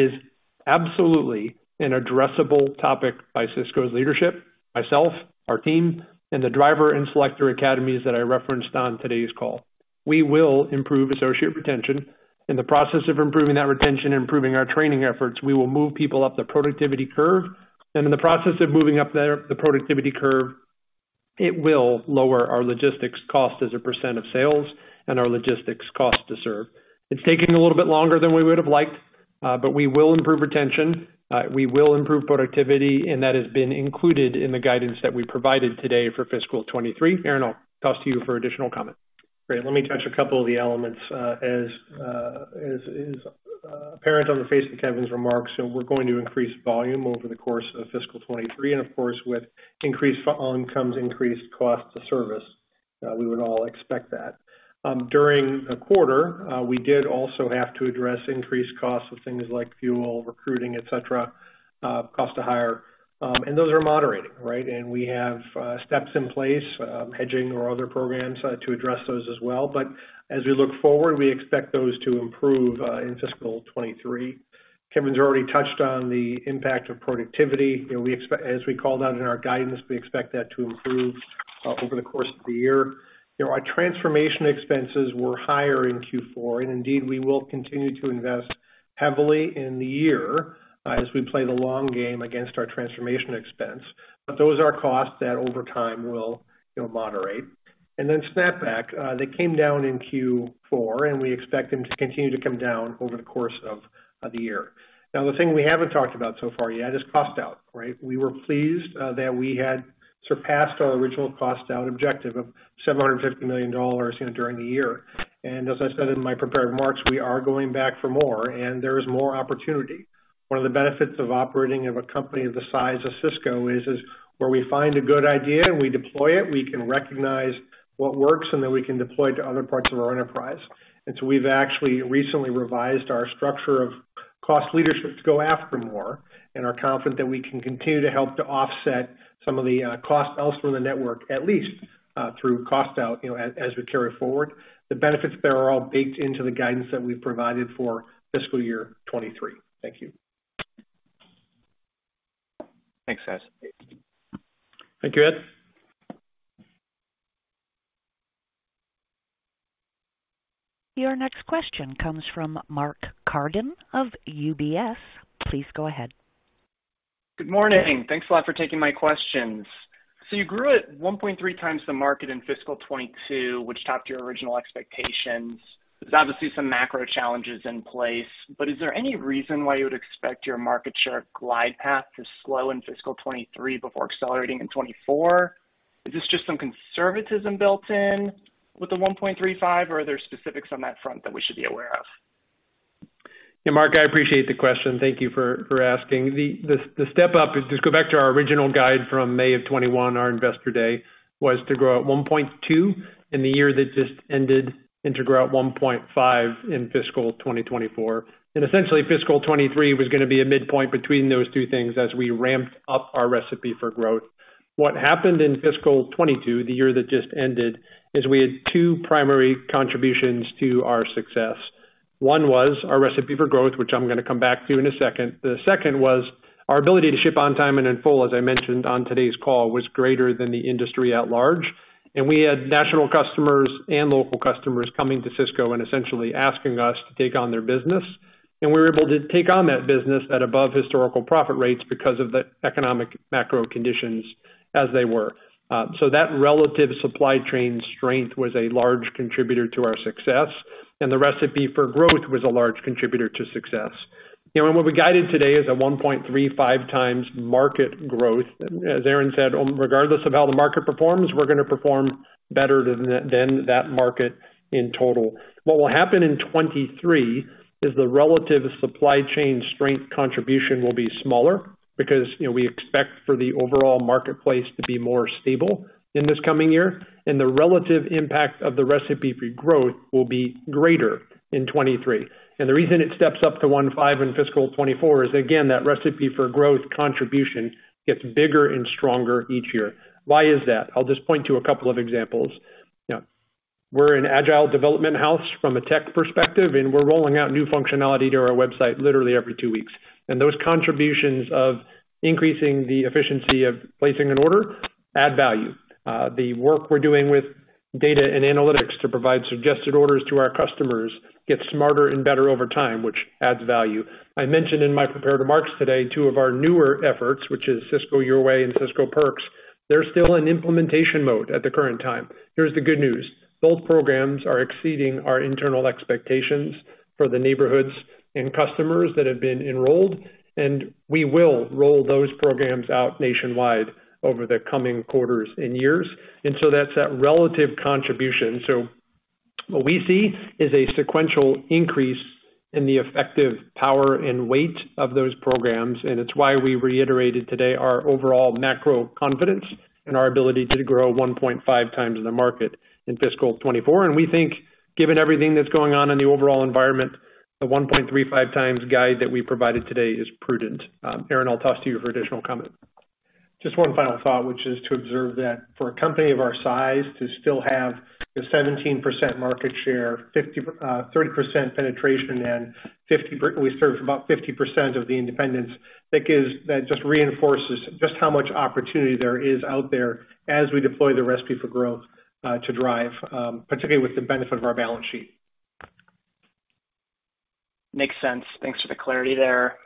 B: absolutely an addressable topic by Sysco's leadership, myself, our team, and the driver and selector academies that I referenced on today's call. We will improve associate retention. In the process of improving that retention and improving our training efforts, we will move people up the productivity curve. In the process of moving up the productivity curve, it will lower our logistics cost as a percent of sales and our logistics cost to serve. It's taking a little bit longer than we would've liked, but we will improve retention, we will improve productivity, and that has been included in the guidance that we provided today for fiscal 2023. Aaron, I'll toss to you for additional comment.
C: Great. Let me touch a couple of the elements. As is apparent on the face of Kevin's remarks, we're going to increase volume over the course of fiscal 2023. Of course, with increased volume comes increased cost to serve. We would all expect that. During the quarter, we did also have to address increased costs of things like fuel, recruiting, et cetera, cost to hire. Those are moderating, right? We have steps in place, hedging or other programs, to address those as well. As we look forward, we expect those to improve in fiscal 2023. Kevin's already touched on the impact of productivity. You know, as we called out in our guidance, we expect that to improve over the course of the year. You know, our transformation expenses were higher in Q4, and indeed, we will continue to invest heavily in the year as we play the long game against our transformation expense. But those are costs that over time will, you know, moderate. Snapback they came down in Q4, and we expect them to continue to come down over the course of the year. Now, the thing we haven't talked about so far yet is cost out, right? We were pleased that we had surpassed our original cost out objective of $750 million, you know, during the year. As I said in my prepared remarks, we are going back for more, and there is more opportunity. One of the benefits of operating a company the size of Sysco is where we find a good idea and we deploy it, we can recognize what works, and then we can deploy it to other parts of our enterprise. We've actually recently revised our structure of cost leadership to go after more and are confident that we can continue to help to offset some of the costs elsewhere in the network, at least through cost out, you know, as we carry it forward. The benefits there are all baked into the guidance that we've provided for fiscal year 2023. Thank you.
F: Thanks, guys.
B: Thank you, Ed.
D: Your next question comes from Mark Carden of UBS. Please go ahead.
G: Good morning. Thanks a lot for taking my questions. You grew at 1.3x the market in fiscal 2022, which topped your original expectations. There's obviously some macro challenges in place, but is there any reason why you would expect your market share glide path to slow in fiscal 2023 before accelerating in 2024? Is this just some conservatism built in with the 1.35x, or are there specifics on that front that we should be aware of?
B: Yeah, Mark, I appreciate the question. Thank you for asking. The step up is just go back to our original guide from May of 2021, our Investor Day, was to grow at 1.2x in the year that just ended and to grow at 1.5x in fiscal 2024. Essentially fiscal 2023 was gonna be a midpoint between those two things as we ramped up our Recipe for Growth. What happened in fiscal 2022, the year that just ended, is we had two primary contributions to our success. One was our Recipe for Growth, which I'm gonna come back to in a second. The second was our ability to ship on time and in full, as I mentioned on today's call, was greater than the industry at large. We had national customers and local customers coming to Sysco and essentially asking us to take on their business. We were able to take on that business at above historical profit rates because of the economic macro conditions as they were. So that relative supply chain strength was a large contributor to our success, and the Recipe for Growth was a large contributor to success. You know, what we guided today is a 1.35x times market growth. As Aaron said, regardless of how the market performs, we're gonna perform better than that market in total. What will happen in 2023 is the relative supply chain strength contribution will be smaller because, you know, we expect for the overall marketplace to be more stable in this coming year, and the relative impact of the Recipe for Growth will be greater in 2023. The reason it steps up to 1.5x in fiscal 2024 is, again, that Recipe for Growth contribution gets bigger and stronger each year. Why is that? I'll just point to a couple of examples. You know, we're an agile development house from a tech perspective, and we're rolling out new functionality to our website literally every two weeks. Those contributions of increasing the efficiency of placing an order add value. The work we're doing with data and analytics to provide suggested orders to our customers gets smarter and better over time, which adds value. I mentioned in my prepared remarks today two of our newer efforts, which is Sysco Your Way and Sysco Perks. They're still in implementation mode at the current time. Here's the good news. Both programs are exceeding our internal expectations for the neighborhoods and customers that have been enrolled, and we will roll those programs out nationwide over the coming quarters and years. That's that relative contribution. What we see is a sequential increase in the effective power and weight of those programs, and it's why we reiterated today our overall macro confidence and our ability to grow 1.5x in the market in fiscal 2024. We think given everything that's going on in the overall environment, the 1.35x guide that we provided today is prudent. Aaron, I'll toss to you for additional comment.
C: Just one final thought, which is to observe that for a company of our size to still have the 17% market share, 50%, 30% penetration and we serve about 50% of the independents. I think that just reinforces just how much opportunity there is out there as we deploy the Recipe for Growth to drive particularly with the benefit of our balance sheet.
G: Makes sense. Thanks for the clarity there.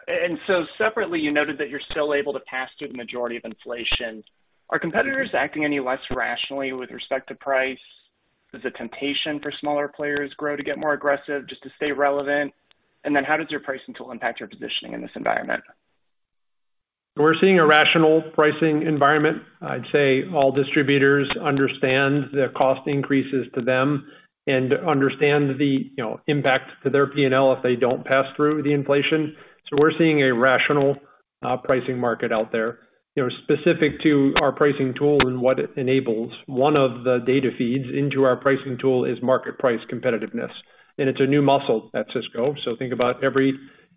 G: Separately, you noted that you're still able to pass through the majority of inflation. Are competitors acting any less rationally with respect to price? Does the temptation for smaller players grow to get more aggressive just to stay relevant? How does your pricing tool impact your positioning in this environment?
B: We're seeing a rational pricing environment. I'd say all distributors understand the cost increases to them and understand the, you know, impact to their P&L if they don't pass through the inflation. We're seeing a rational pricing market out there. You know, specific to our pricing tool and what it enables, one of the data feeds into our pricing tool is market price competitiveness. It's a new muscle at Sysco. Think about every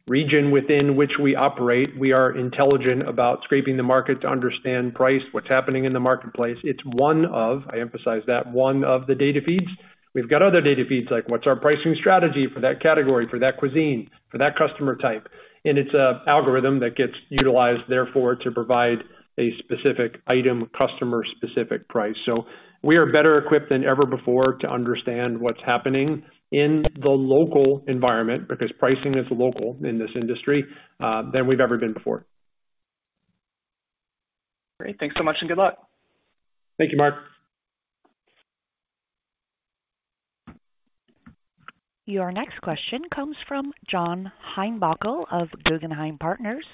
B: region within which we operate. We are intelligent about scraping the market to understand price, what's happening in the marketplace. It's one of, I emphasize that, one of the data feeds. We've got other data feeds, like what's our pricing strategy for that category, for that cuisine, for that customer type. It's an algorithm that gets utilized therefore to provide a specific item, customer-specific price. We are better equipped than ever before to understand what's happening in the local environment, because pricing is local in this industry than we've ever been before.
G: Great. Thanks so much and good luck.
B: Thank you, Mark.
D: Your next question comes from John Heinbockel of Guggenheim Partners.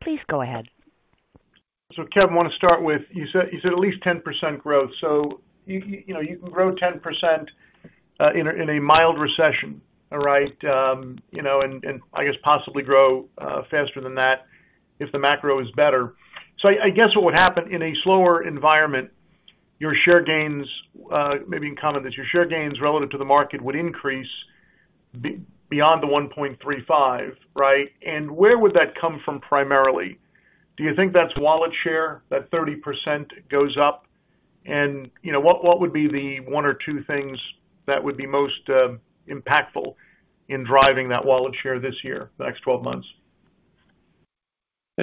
D: Please go ahead.
H: Kevin, I want to start with, you said at least 10% growth. You know, you can grow 10% in a mild recession, all right? You know, and I guess possibly grow faster than that if the macro is better. I guess what would happen in a slower environment, your share gains, maybe uncommon that your share gains relative to the market would increase beyond the 1.35x, right? Where would that come from primarily? Do you think that's wallet share, that 30% goes up? You know, what would be the one or two things that would be most impactful in driving that wallet share this year, the next 12 months?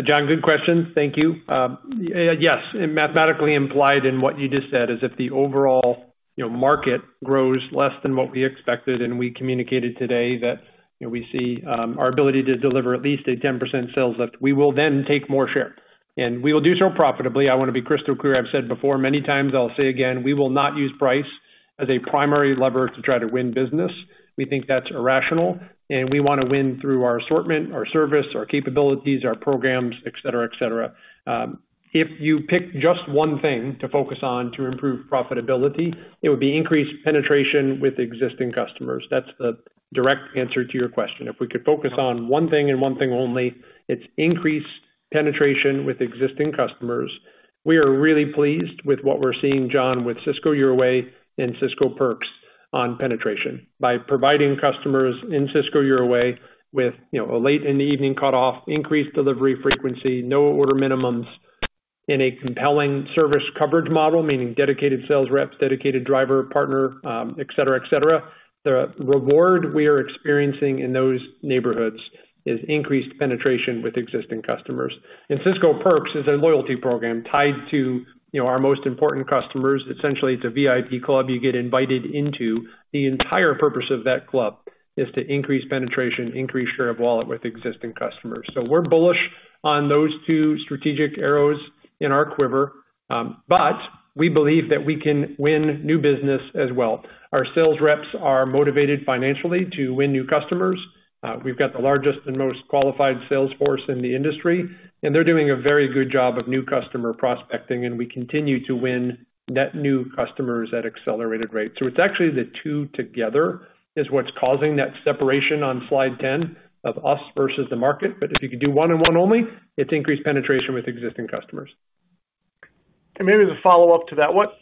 B: John, good question. Thank you. Yes, mathematically implied in what you just said is if the overall, you know, market grows less than what we expected, and we communicated today that, you know, we see our ability to deliver at least a 10% sales lift, we will then take more share. We will do so profitably. I wanna be crystal clear. I've said before many times, I'll say again, we will not use price as a primary lever to try to win business. We think that's irrational, and we wanna win through our assortment, our service, our capabilities, our programs, et cetera, et cetera. If you pick just one thing to focus on to improve profitability, it would be increased penetration with existing customers. That's the direct answer to your question. If we could focus on one thing and one thing only, it's increased penetration with existing customers. We are really pleased with what we're seeing, John, with Sysco Your Way and Sysco Perks on penetration. By providing customers in Sysco Your Way with, you know, a late in the evening cutoff, increased delivery frequency, no order minimums in a compelling service coverage model, meaning dedicated sales reps, dedicated driver, partner, et cetera, et cetera. The reward we are experiencing in those neighborhoods is increased penetration with existing customers. Sysco Perks is a loyalty program tied to, you know, our most important customers. Essentially, it's a VIP club you get invited into. The entire purpose of that club is to increase penetration, increase share of wallet with existing customers. We're bullish on those two strategic arrows in our quiver, but we believe that we can win new business as well. Our sales reps are motivated financially to win new customers. We've got the largest and most qualified sales force in the industry, and they're doing a very good job of new customer prospecting, and we continue to win net new customers at accelerated rates. It's actually the two together is what's causing that separation on Slide 10 of us versus the market. If you could do one and one only, it's increased penetration with existing customers.
H: Maybe as a follow-up to that, what's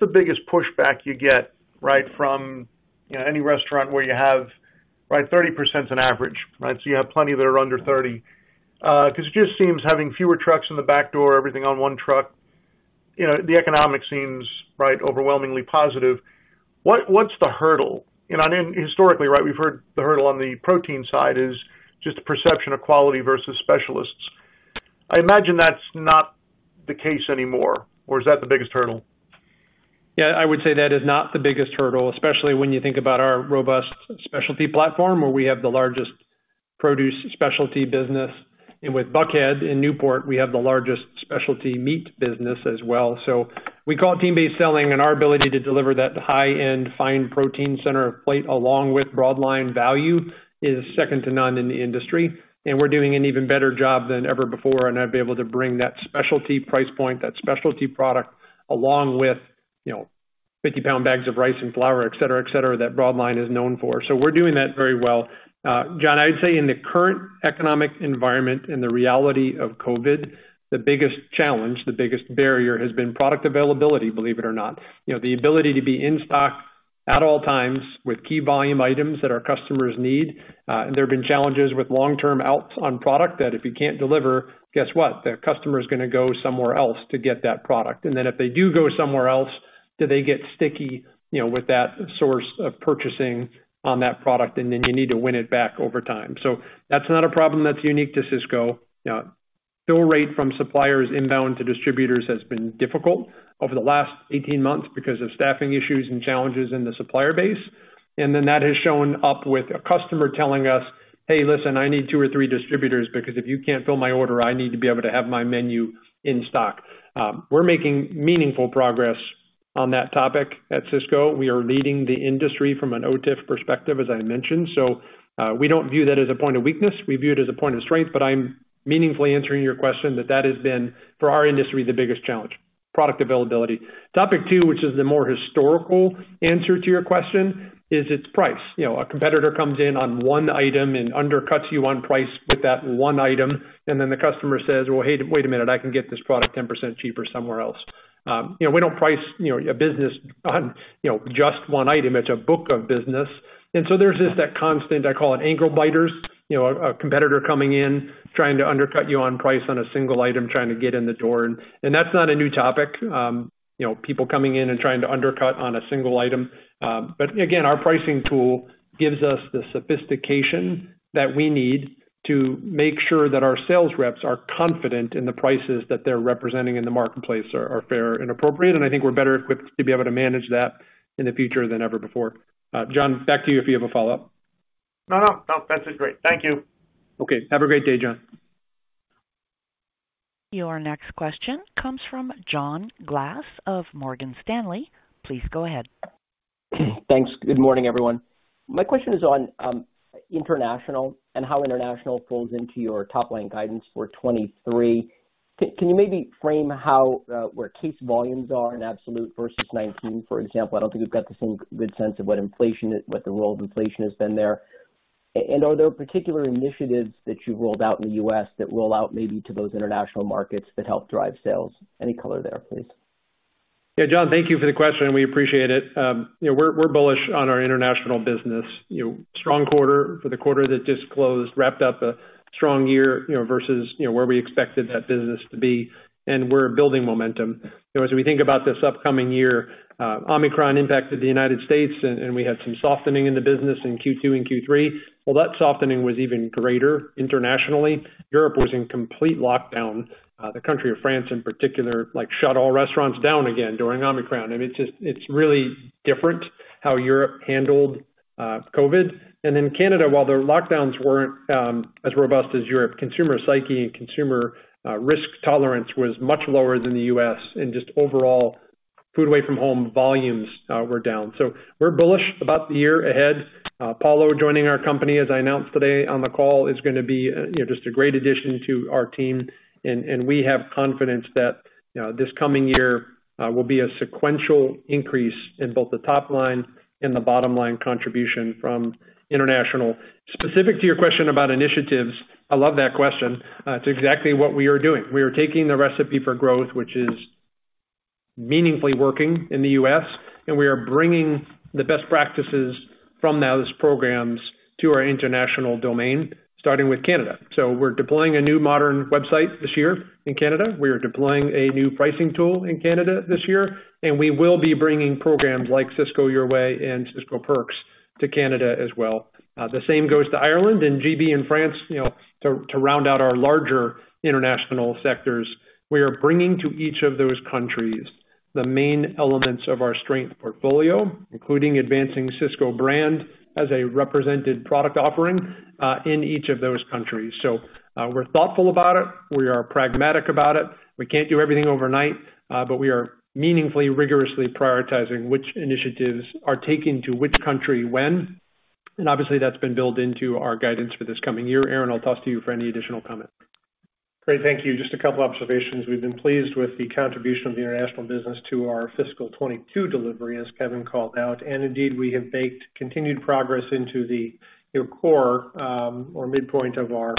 H: the biggest pushback you get, right, from, you know, any restaurant where you have, right, 30% on average, right? You have plenty that are under 30%. 'Cause it just seems having fewer trucks in the back door, everything on one truck, you know, the economics seem, right, overwhelmingly positive. What's the hurdle? You know, I mean, historically, right, we've heard the hurdle on the protein side is just the perception of quality versus specialists. I imagine that's not the case anymore. Or is that the biggest hurdle?
B: Yeah, I would say that is not the biggest hurdle, especially when you think about our robust specialty platform, where we have the largest produce specialty business. With Buckhead and Newport, we have the largest specialty meat business as well. We call it team-based selling, and our ability to deliver that high-end fine protein center of plate, along with broad line value, is second to none in the industry. We're doing an even better job than ever before, and I've been able to bring that specialty price point, that specialty product, along with, you know, 50-pound bags of rice and flour, et cetera, et cetera, that broad line is known for. We're doing that very well. John, I would say in the current economic environment and the reality of COVID, the biggest challenge, the biggest barrier, has been product availability, believe it or not. You know, the ability to be in stock at all times with key volume items that our customers need. There have been challenges with long-term outs on product that if you can't deliver, guess what? The customer's gonna go somewhere else to get that product. And then if they do go somewhere else, do they get sticky, you know, with that source of purchasing on that product, and then you need to win it back over time. That's not a problem that's unique to Sysco. You know, fill rate from suppliers inbound to distributors has been difficult over the last 18 months because of staffing issues and challenges in the supplier base. That has shown up with a customer telling us, "Hey, listen, I need two or three distributors because if you can't fill my order, I need to be able to have my menu in stock." We're making meaningful progress on that topic at Sysco. We are leading the industry from an OTIF perspective, as I mentioned. We don't view that as a point of weakness. We view it as a point of strength, but I'm meaningfully answering your question that that has been, for our industry, the biggest challenge, product availability. Topic two, which is the more historical answer to your question, is its price. You know, a competitor comes in on one item and undercuts you on price with that one item, and then the customer says, "Well, hey, wait a minute. I can get this product 10% cheaper somewhere else," you know, we don't price a business on just one item. It's a book of business. There's just that constant, I call it ankle biters, you know, a competitor coming in trying to undercut you on price on a single item, trying to get in the door. That's not a new topic, you know, people coming in and trying to undercut on a single item. Again, our pricing tool gives us the sophistication that we need to make sure that our sales reps are confident in the prices that they're representing in the marketplace are fair and appropriate. I think we're better equipped to be able to manage that in the future than ever before. John, back to you if you have a follow-up.
H: No, no. That's it. Great. Thank you.
B: Okay. Have a great day, John.
D: Your next question comes from John Glass of Morgan Stanley. Please go ahead.
I: Thanks. Good morning, everyone. My question is on international and how international pulls into your top line guidance for 2023. Can you maybe frame how where case volumes are in absolute versus 2019, for example? I don't think we've got the full good sense of what inflation is, what the role of inflation has been there. And are there particular initiatives that you've rolled out in the U.S. that roll out maybe to those international markets that help drive sales? Any color there, please.
B: Yeah. John, thank you for the question, and we appreciate it. You know, we're bullish on our international business. You know, strong quarter for the quarter that just closed, wrapped up a strong year, you know, versus you know where we expected that business to be, and we're building momentum. You know, as we think about this upcoming year, Omicron impacted the United States and we had some softening in the business in Q2 and Q3. Well, that softening was even greater internationally. Europe was in complete lockdown. The country of France in particular, like, shut all restaurants down again during Omicron. It's just really different how Europe handled COVID. In Canada, while their lockdowns weren't as robust as Europe, consumer psyche and consumer risk tolerance was much lower than the U.S. and just overall food away from home volumes were down. We're bullish about the year ahead. Paulo Peereboom joining our company, as I announced today on the call, is gonna be, you know, just a great addition to our team. We have confidence that, you know, this coming year will be a sequential increase in both the top line and the bottom line contribution from international. Specific to your question about initiatives, I love that question. It's exactly what we are doing. We are taking the Recipe for Growth, which is meaningfully working in the U.S., and we are bringing the best practices from those programs to our international domain, starting with Canada. We're deploying a new modern website this year in Canada. We are deploying a new pricing tool in Canada this year. We will be bringing programs like Sysco Your Way and Sysco Perks to Canada as well. The same goes to Ireland and GB and France, you know, to round out our larger international sectors. We are bringing to each of those countries the main elements of our strength portfolio, including advancing Sysco brand as a represented product offering, in each of those countries. We're thoughtful about it. We are pragmatic about it. We can't do everything overnight, but we are meaningfully, rigorously prioritizing which initiatives are taking to which country when. Obviously, that's been built into our guidance for this coming year. Aaron, I'll toss to you for any additional comment.
C: Great. Thank you. Just a couple observations. We've been pleased with the contribution of the international business to our fiscal 2022 delivery, as Kevin called out. Indeed, we have baked continued progress into the, you know, core, or midpoint of our,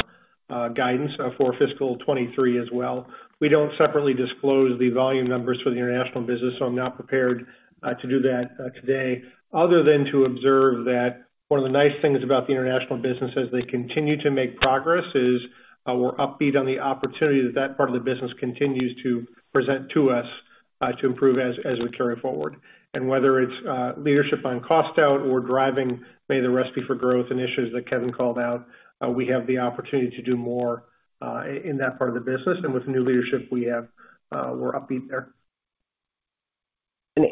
C: guidance, for fiscal 2023 as well. We don't separately disclose the volume numbers for the international business, so I'm not prepared to do that today, other than to observe that one of the nice things about the international business as they continue to make progress is, we're upbeat on the opportunity that that part of the business continues to present to us, to improve as we carry forward. Whether it's leadership on cost out or driving many of the Recipe for Growth initiatives that Kevin called out, we have the opportunity to do more in that part of the business. With the new leadership we have, we're upbeat there.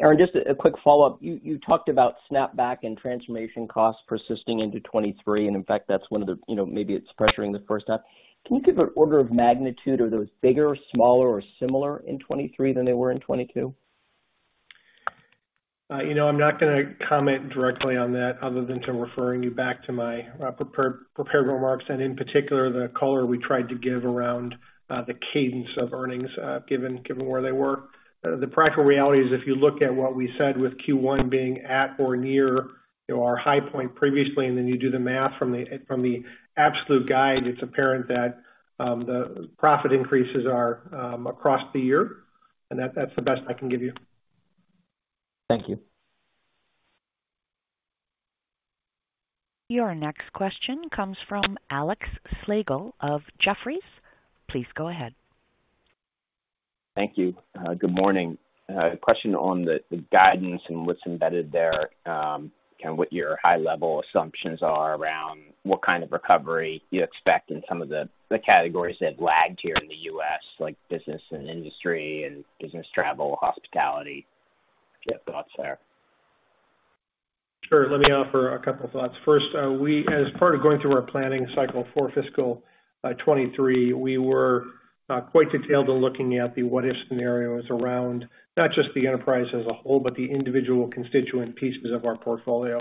I: Aaron, just a quick follow-up. You talked about snapback and transformation costs persisting into 2023. In fact, that's one of the, you know, maybe it's pressuring the first half. Can you give an order of magnitude? Are those bigger or smaller or similar in 2023 than they were in 2022?
C: You know, I'm not gonna comment directly on that other than to refer you back to my prepared remarks, and in particular, the color we tried to give around the cadence of earnings, given where they were. The practical reality is, if you look at what we said with Q1 being at or near, you know, our high point previously, and then you do the math from the absolute guide, it's apparent that the profit increases are across the year, and that's the best I can give you.
I: Thank you.
D: Your next question comes from Alex Slagle of Jefferies. Please go ahead.
J: Thank you. Good morning. Question on the guidance and what's embedded there, kind of what your high level assumptions are around what kind of recovery you expect in some of the categories that lagged here in the U.S., like business and industry and business travel, hospitality. If you have thoughts there.
C: Sure. Let me offer a couple thoughts. First, as part of going through our planning cycle for fiscal 2023, we were quite detailed in looking at the what if scenarios around not just the enterprise as a whole, but the individual constituent pieces of our portfolio.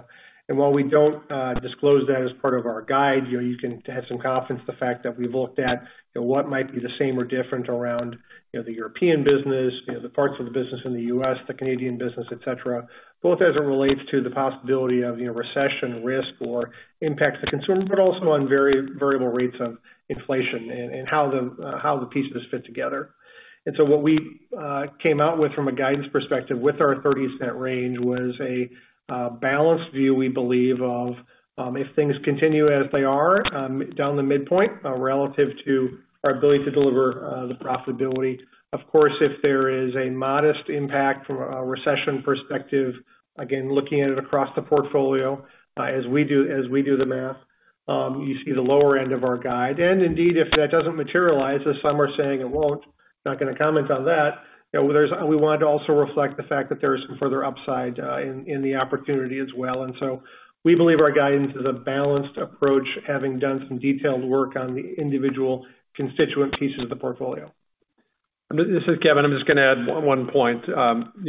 C: While we don't disclose that as part of our guide, you know, you can have some confidence in the fact that we've looked at, you know, what might be the same or different around, you know, the European business, you know, the parts of the business in the U.S., the Canadian business, et cetera, both as it relates to the possibility of, you know, recession risk or impacts to consumer, but also on variable rates of inflation and how the pieces fit together. What we came out with from a guidance perspective with our $0.30 range was a balanced view we believe of if things continue as they are down the midpoint relative to our ability to deliver the profitability. Of course, if there is a modest impact from a recession perspective, again, looking at it across the portfolio as we do the math, you see the lower end of our guide. Indeed, if that doesn't materialize, as some are saying it won't, not gonna comment on that. You know, there's. We wanted to also reflect the fact that there is some further upside in the opportunity as well. We believe our guidance is a balanced approach, having done some detailed work on the individual constituent pieces of the portfolio.
B: This is Kevin. I'm just gonna add one point. You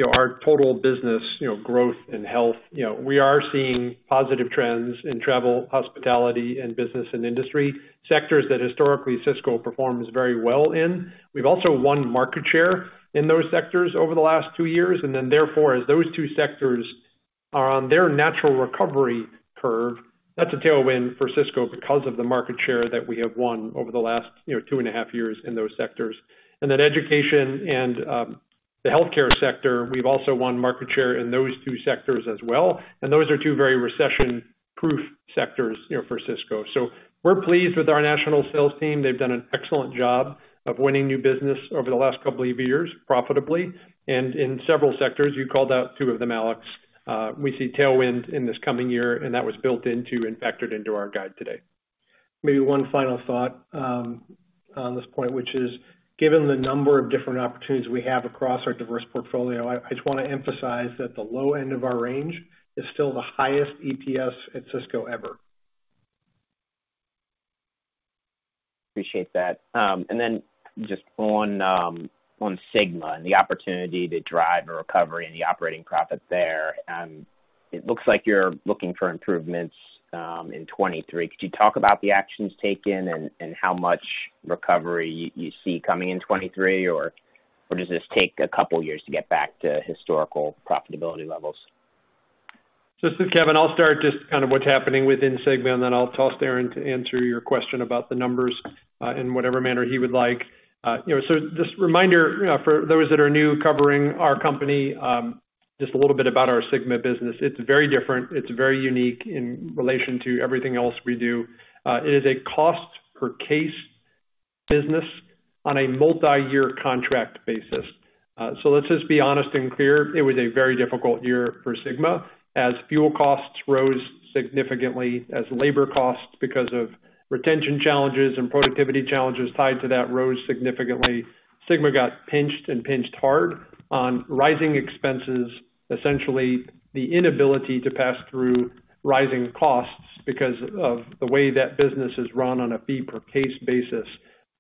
B: know, our total business, you know, growth and health. You know, we are seeing positive trends in travel, hospitality and business and industry sectors that historically Sysco performs very well in. We've also won market share in those sectors over the last two years. Therefore, as those two sectors are on their natural recovery curve, that's a tailwind for Sysco because of the market share that we have won over the last, you know, two and a half years in those sectors. Education and the healthcare sector, we've also won market share in those two sectors as well. Those are two very recession-proof sectors, you know, for Sysco. We're pleased with our national sales team. They've done an excellent job of winning new business over the last couple of years profitably. In several sectors, you called out two of them, Alex, we see tailwinds in this coming year, and that was built into and factored into our guide today.
C: Maybe one final thought on this point, which is, given the number of different opportunities we have across our diverse portfolio, I just wanna emphasize that the low end of our range is still the highest EPS at Sysco ever.
J: Appreciate that. Just on SYGMA and the opportunity to drive a recovery in the operating profit there, it looks like you're looking for improvements in 2023. Could you talk about the actions taken and how much recovery you see coming in 2023? Does this take a couple of years to get back to historical profitability levels?
B: This is Kevin. I'll start just kind of what's happening within SYGMA, and then I'll toss to Aaron to answer your question about the numbers, in whatever manner he would like. You know, just a reminder for those that are new covering our company, just a little bit about our SYGMA business. It's very different. It's very unique in relation to everything else we do. It is a cost per case business on a multiyear contract basis. Let's just be honest and clear. It was a very difficult year for SYGMA. As fuel costs rose significantly, as labor costs because of retention challenges and productivity challenges tied to that rose significantly. SYGMA got pinched and pinched hard on rising expenses. Essentially, the inability to pass through rising costs because of the way that business is run on a fee per case basis.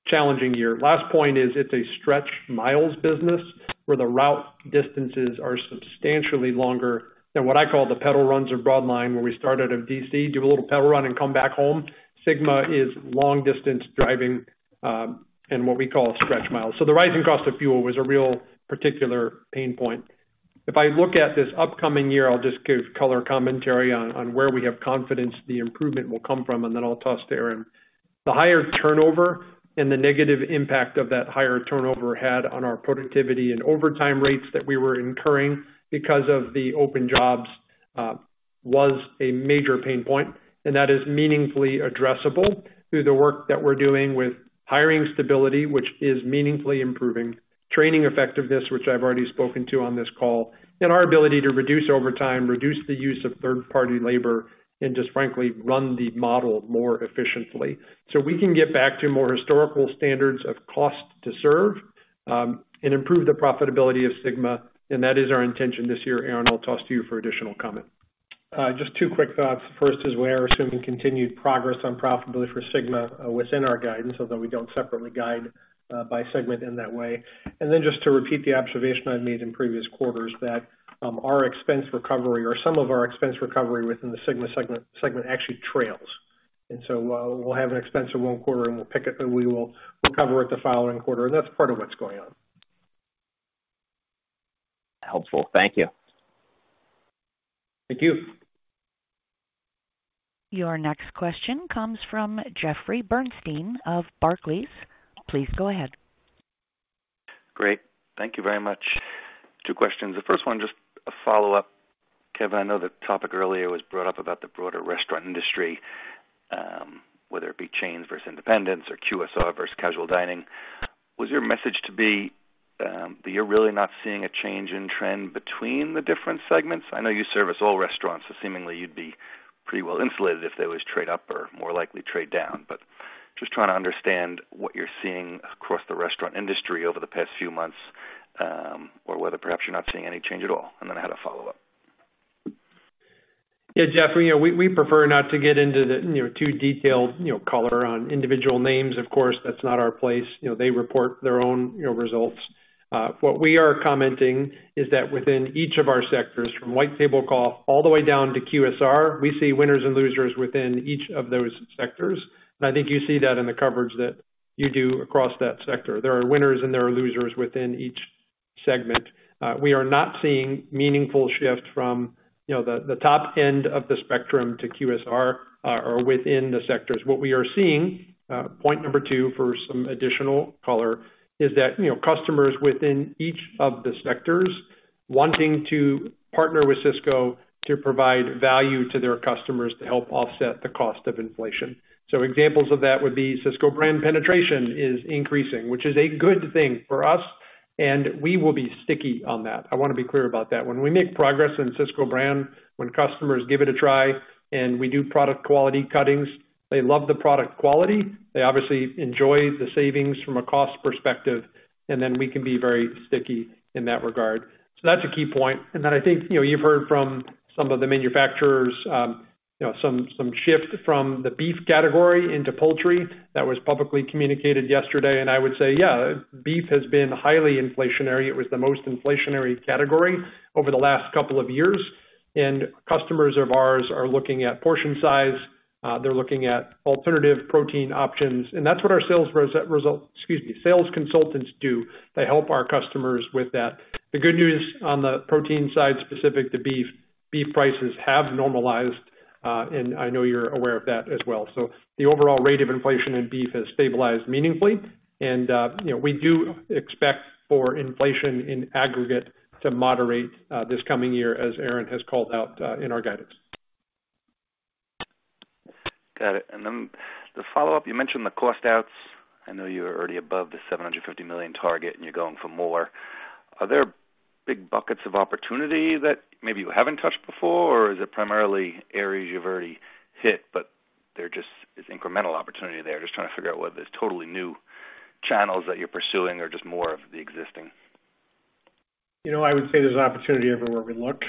B: Challenging year. Last point is it's a stretch miles business where the route distances are substantially longer than what I call the pedal runs or broad line, where we start out of DC, do a little pedal run, and come back home. SYGMA is long distance driving, and what we call stretch miles. The rising cost of fuel was a real particular pain point. If I look at this upcoming year, I'll just give color commentary on where we have confidence the improvement will come from, and then I'll toss to Aaron. The higher turnover and the negative impact of that higher turnover had on our productivity and overtime rates that we were incurring because of the open jobs was a major pain point, and that is meaningfully addressable through the work that we're doing with hiring stability, which is meaningfully improving training effectiveness, which I've already spoken to on this call, and our ability to reduce overtime, reduce the use of third-party labor, and just frankly, run the model more efficiently so we can get back to more historical standards of cost to serve, and improve the profitability of SYGMA. That is our intention this year. Aaron, I'll toss to you for additional comment.
C: Just two quick thoughts. First is we are assuming continued progress on profitability for SYGMA within our guidance, although we don't separately guide by segment in that way. Just to repeat the observation I've made in previous quarters, that our expense recovery or some of our expense recovery within the SYGMA segment actually trails. We'll have an expense in one quarter, and we'll pick it, and we will recover it the following quarter. That's part of what's going on.
J: Helpful. Thank you.
B: Thank you.
D: Your next question comes from Jeffrey Bernstein of Barclays. Please go ahead.
K: Great. Thank you very much. Two questions. The first one, just a follow-up. Kevin, I know the topic earlier was brought up about the broader restaurant industry, whether it be chains versus independents or QSR versus casual dining. Was your message to be, that you're really not seeing a change in trend between the different segments? I know you service all restaurants, so seemingly you'd be pretty well insulated if they always trade up or more likely trade down. But just trying to understand what you're seeing across the restaurant industry over the past few months, or whether perhaps you're not seeing any change at all. I had a follow-up.
B: Yeah, Jeffrey, we prefer not to get into the, you know, too detailed, you know, color on individual names. Of course, that's not our place. You know, they report their own, you know, results. What we are commenting is that within each of our sectors, from white table cloth all the way down to QSR, we see winners and losers within each of those sectors. I think you see that in the coverage that you do across that sector. There are winners and there are losers within each segment. We are not seeing meaningful shift from, you know, the top end of the spectrum to QSR, or within the sectors. What we are seeing, point number two for some additional color is that, you know, customers within each of the sectors wanting to partner with Sysco to provide value to their customers to help offset the cost of inflation. Examples of that would be Sysco brand penetration is increasing, which is a good thing for us, and we will be sticky on that. I want to be clear about that. When we make progress in Sysco brand, when customers give it a try and we do product quality cuttings, they love the product quality. They obviously enjoy the savings from a cost perspective, and then we can be very sticky in that regard. That's a key point. Then I think, you know, you've heard from some of the manufacturers, you know, some shift from the beef category into poultry. That was publicly communicated yesterday. I would say, yeah, beef has been highly inflationary. It was the most inflationary category over the last couple of years. Customers of ours are looking at portion size. They're looking at alternative protein options. That's what our sales consultants do. They help our customers with that. The good news on the protein side, specific to beef prices have normalized. I know you're aware of that as well. The overall rate of inflation in beef has stabilized meaningfully. You know, we do expect for inflation in aggregate to moderate this coming year, as Aaron has called out in our guidance.
K: Got it. The follow-up, you mentioned the cost outs. I know you're already above the $750 million target and you're going for more. Are there big buckets of opportunity that maybe you haven't touched before, or is it primarily areas you've already hit, but there just is incremental opportunity there? Just trying to figure out whether it's totally new channels that you're pursuing or just more of the existing.
C: You know, I would say there's opportunity everywhere we look,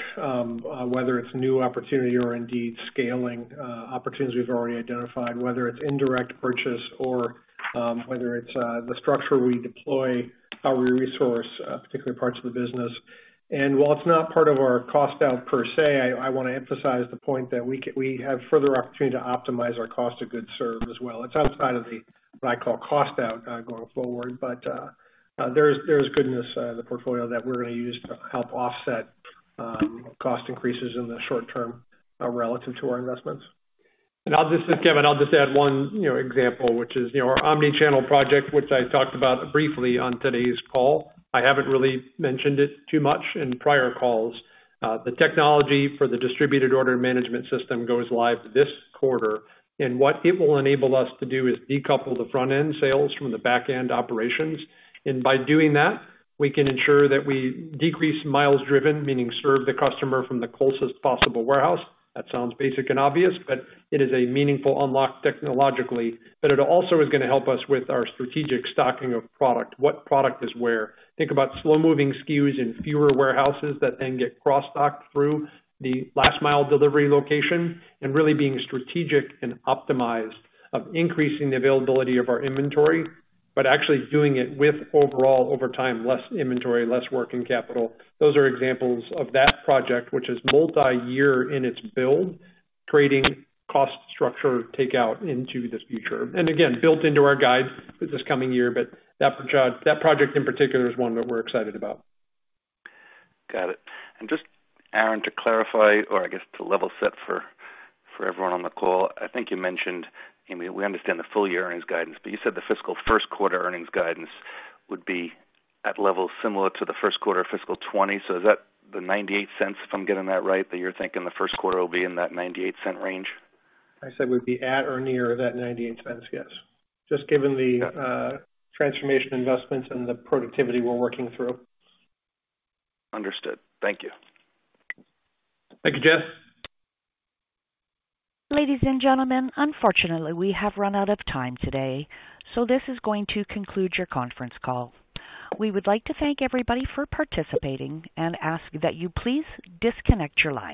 C: whether it's new opportunity or indeed scaling opportunities we've already identified, whether it's indirect purchase or whether it's the structure we deploy, how we resource particular parts of the business. While it's not part of our cost out per se, I wanna emphasize the point that we have further opportunity to optimize our cost of goods served as well. It's outside of what I call cost out going forward, but there's goodness in the portfolio that we're gonna use to help offset cost increases in the short term relative to our investments.
B: I'll just-- Kevin, I'll just add one, you know, example, which is, you know, our omni-channel project, which I talked about briefly on today's call. I haven't really mentioned it too much in prior calls. The technology for the distributed order management system goes live this quarter. What it will enable us to do is decouple the front-end sales from the back-end operations. By doing that, we can ensure that we decrease miles driven, meaning serve the customer from the closest possible warehouse. That sounds basic and obvious, but it is a meaningful unlock technologically. It also is gonna help us with our strategic stocking of product. What product is where? Think about slow-moving SKUs in fewer warehouses that then get cross-docked through the last mile delivery location and really being strategic and optimized of increasing the availability of our inventory, but actually doing it with overall, over time, less inventory, less working capital. Those are examples of that project, which is multiyear in its build, trading cost structure takeout into this future. Again, built into our guide for this coming year, but that project in particular is one that we're excited about.
K: Got it. Just, Aaron, to clarify or I guess to level set for everyone on the call, I think you mentioned, I mean, we understand the full year earnings guidance, but you said the fiscal first quarter earnings guidance would be at levels similar to the first quarter of fiscal 2020. Is that the $0.98, if I'm getting that right, that you're thinking the first quarter will be in that $0.98 range?
C: I said would be at or near that $0.98, yes. Just given the transformation investments and the productivity we're working through.
K: Understood. Thank you.
B: Thank you, Jeff.
D: Ladies and gentlemen, unfortunately, we have run out of time today, so this is going to conclude your conference call. We would like to thank everybody for participating and ask that you please disconnect your line.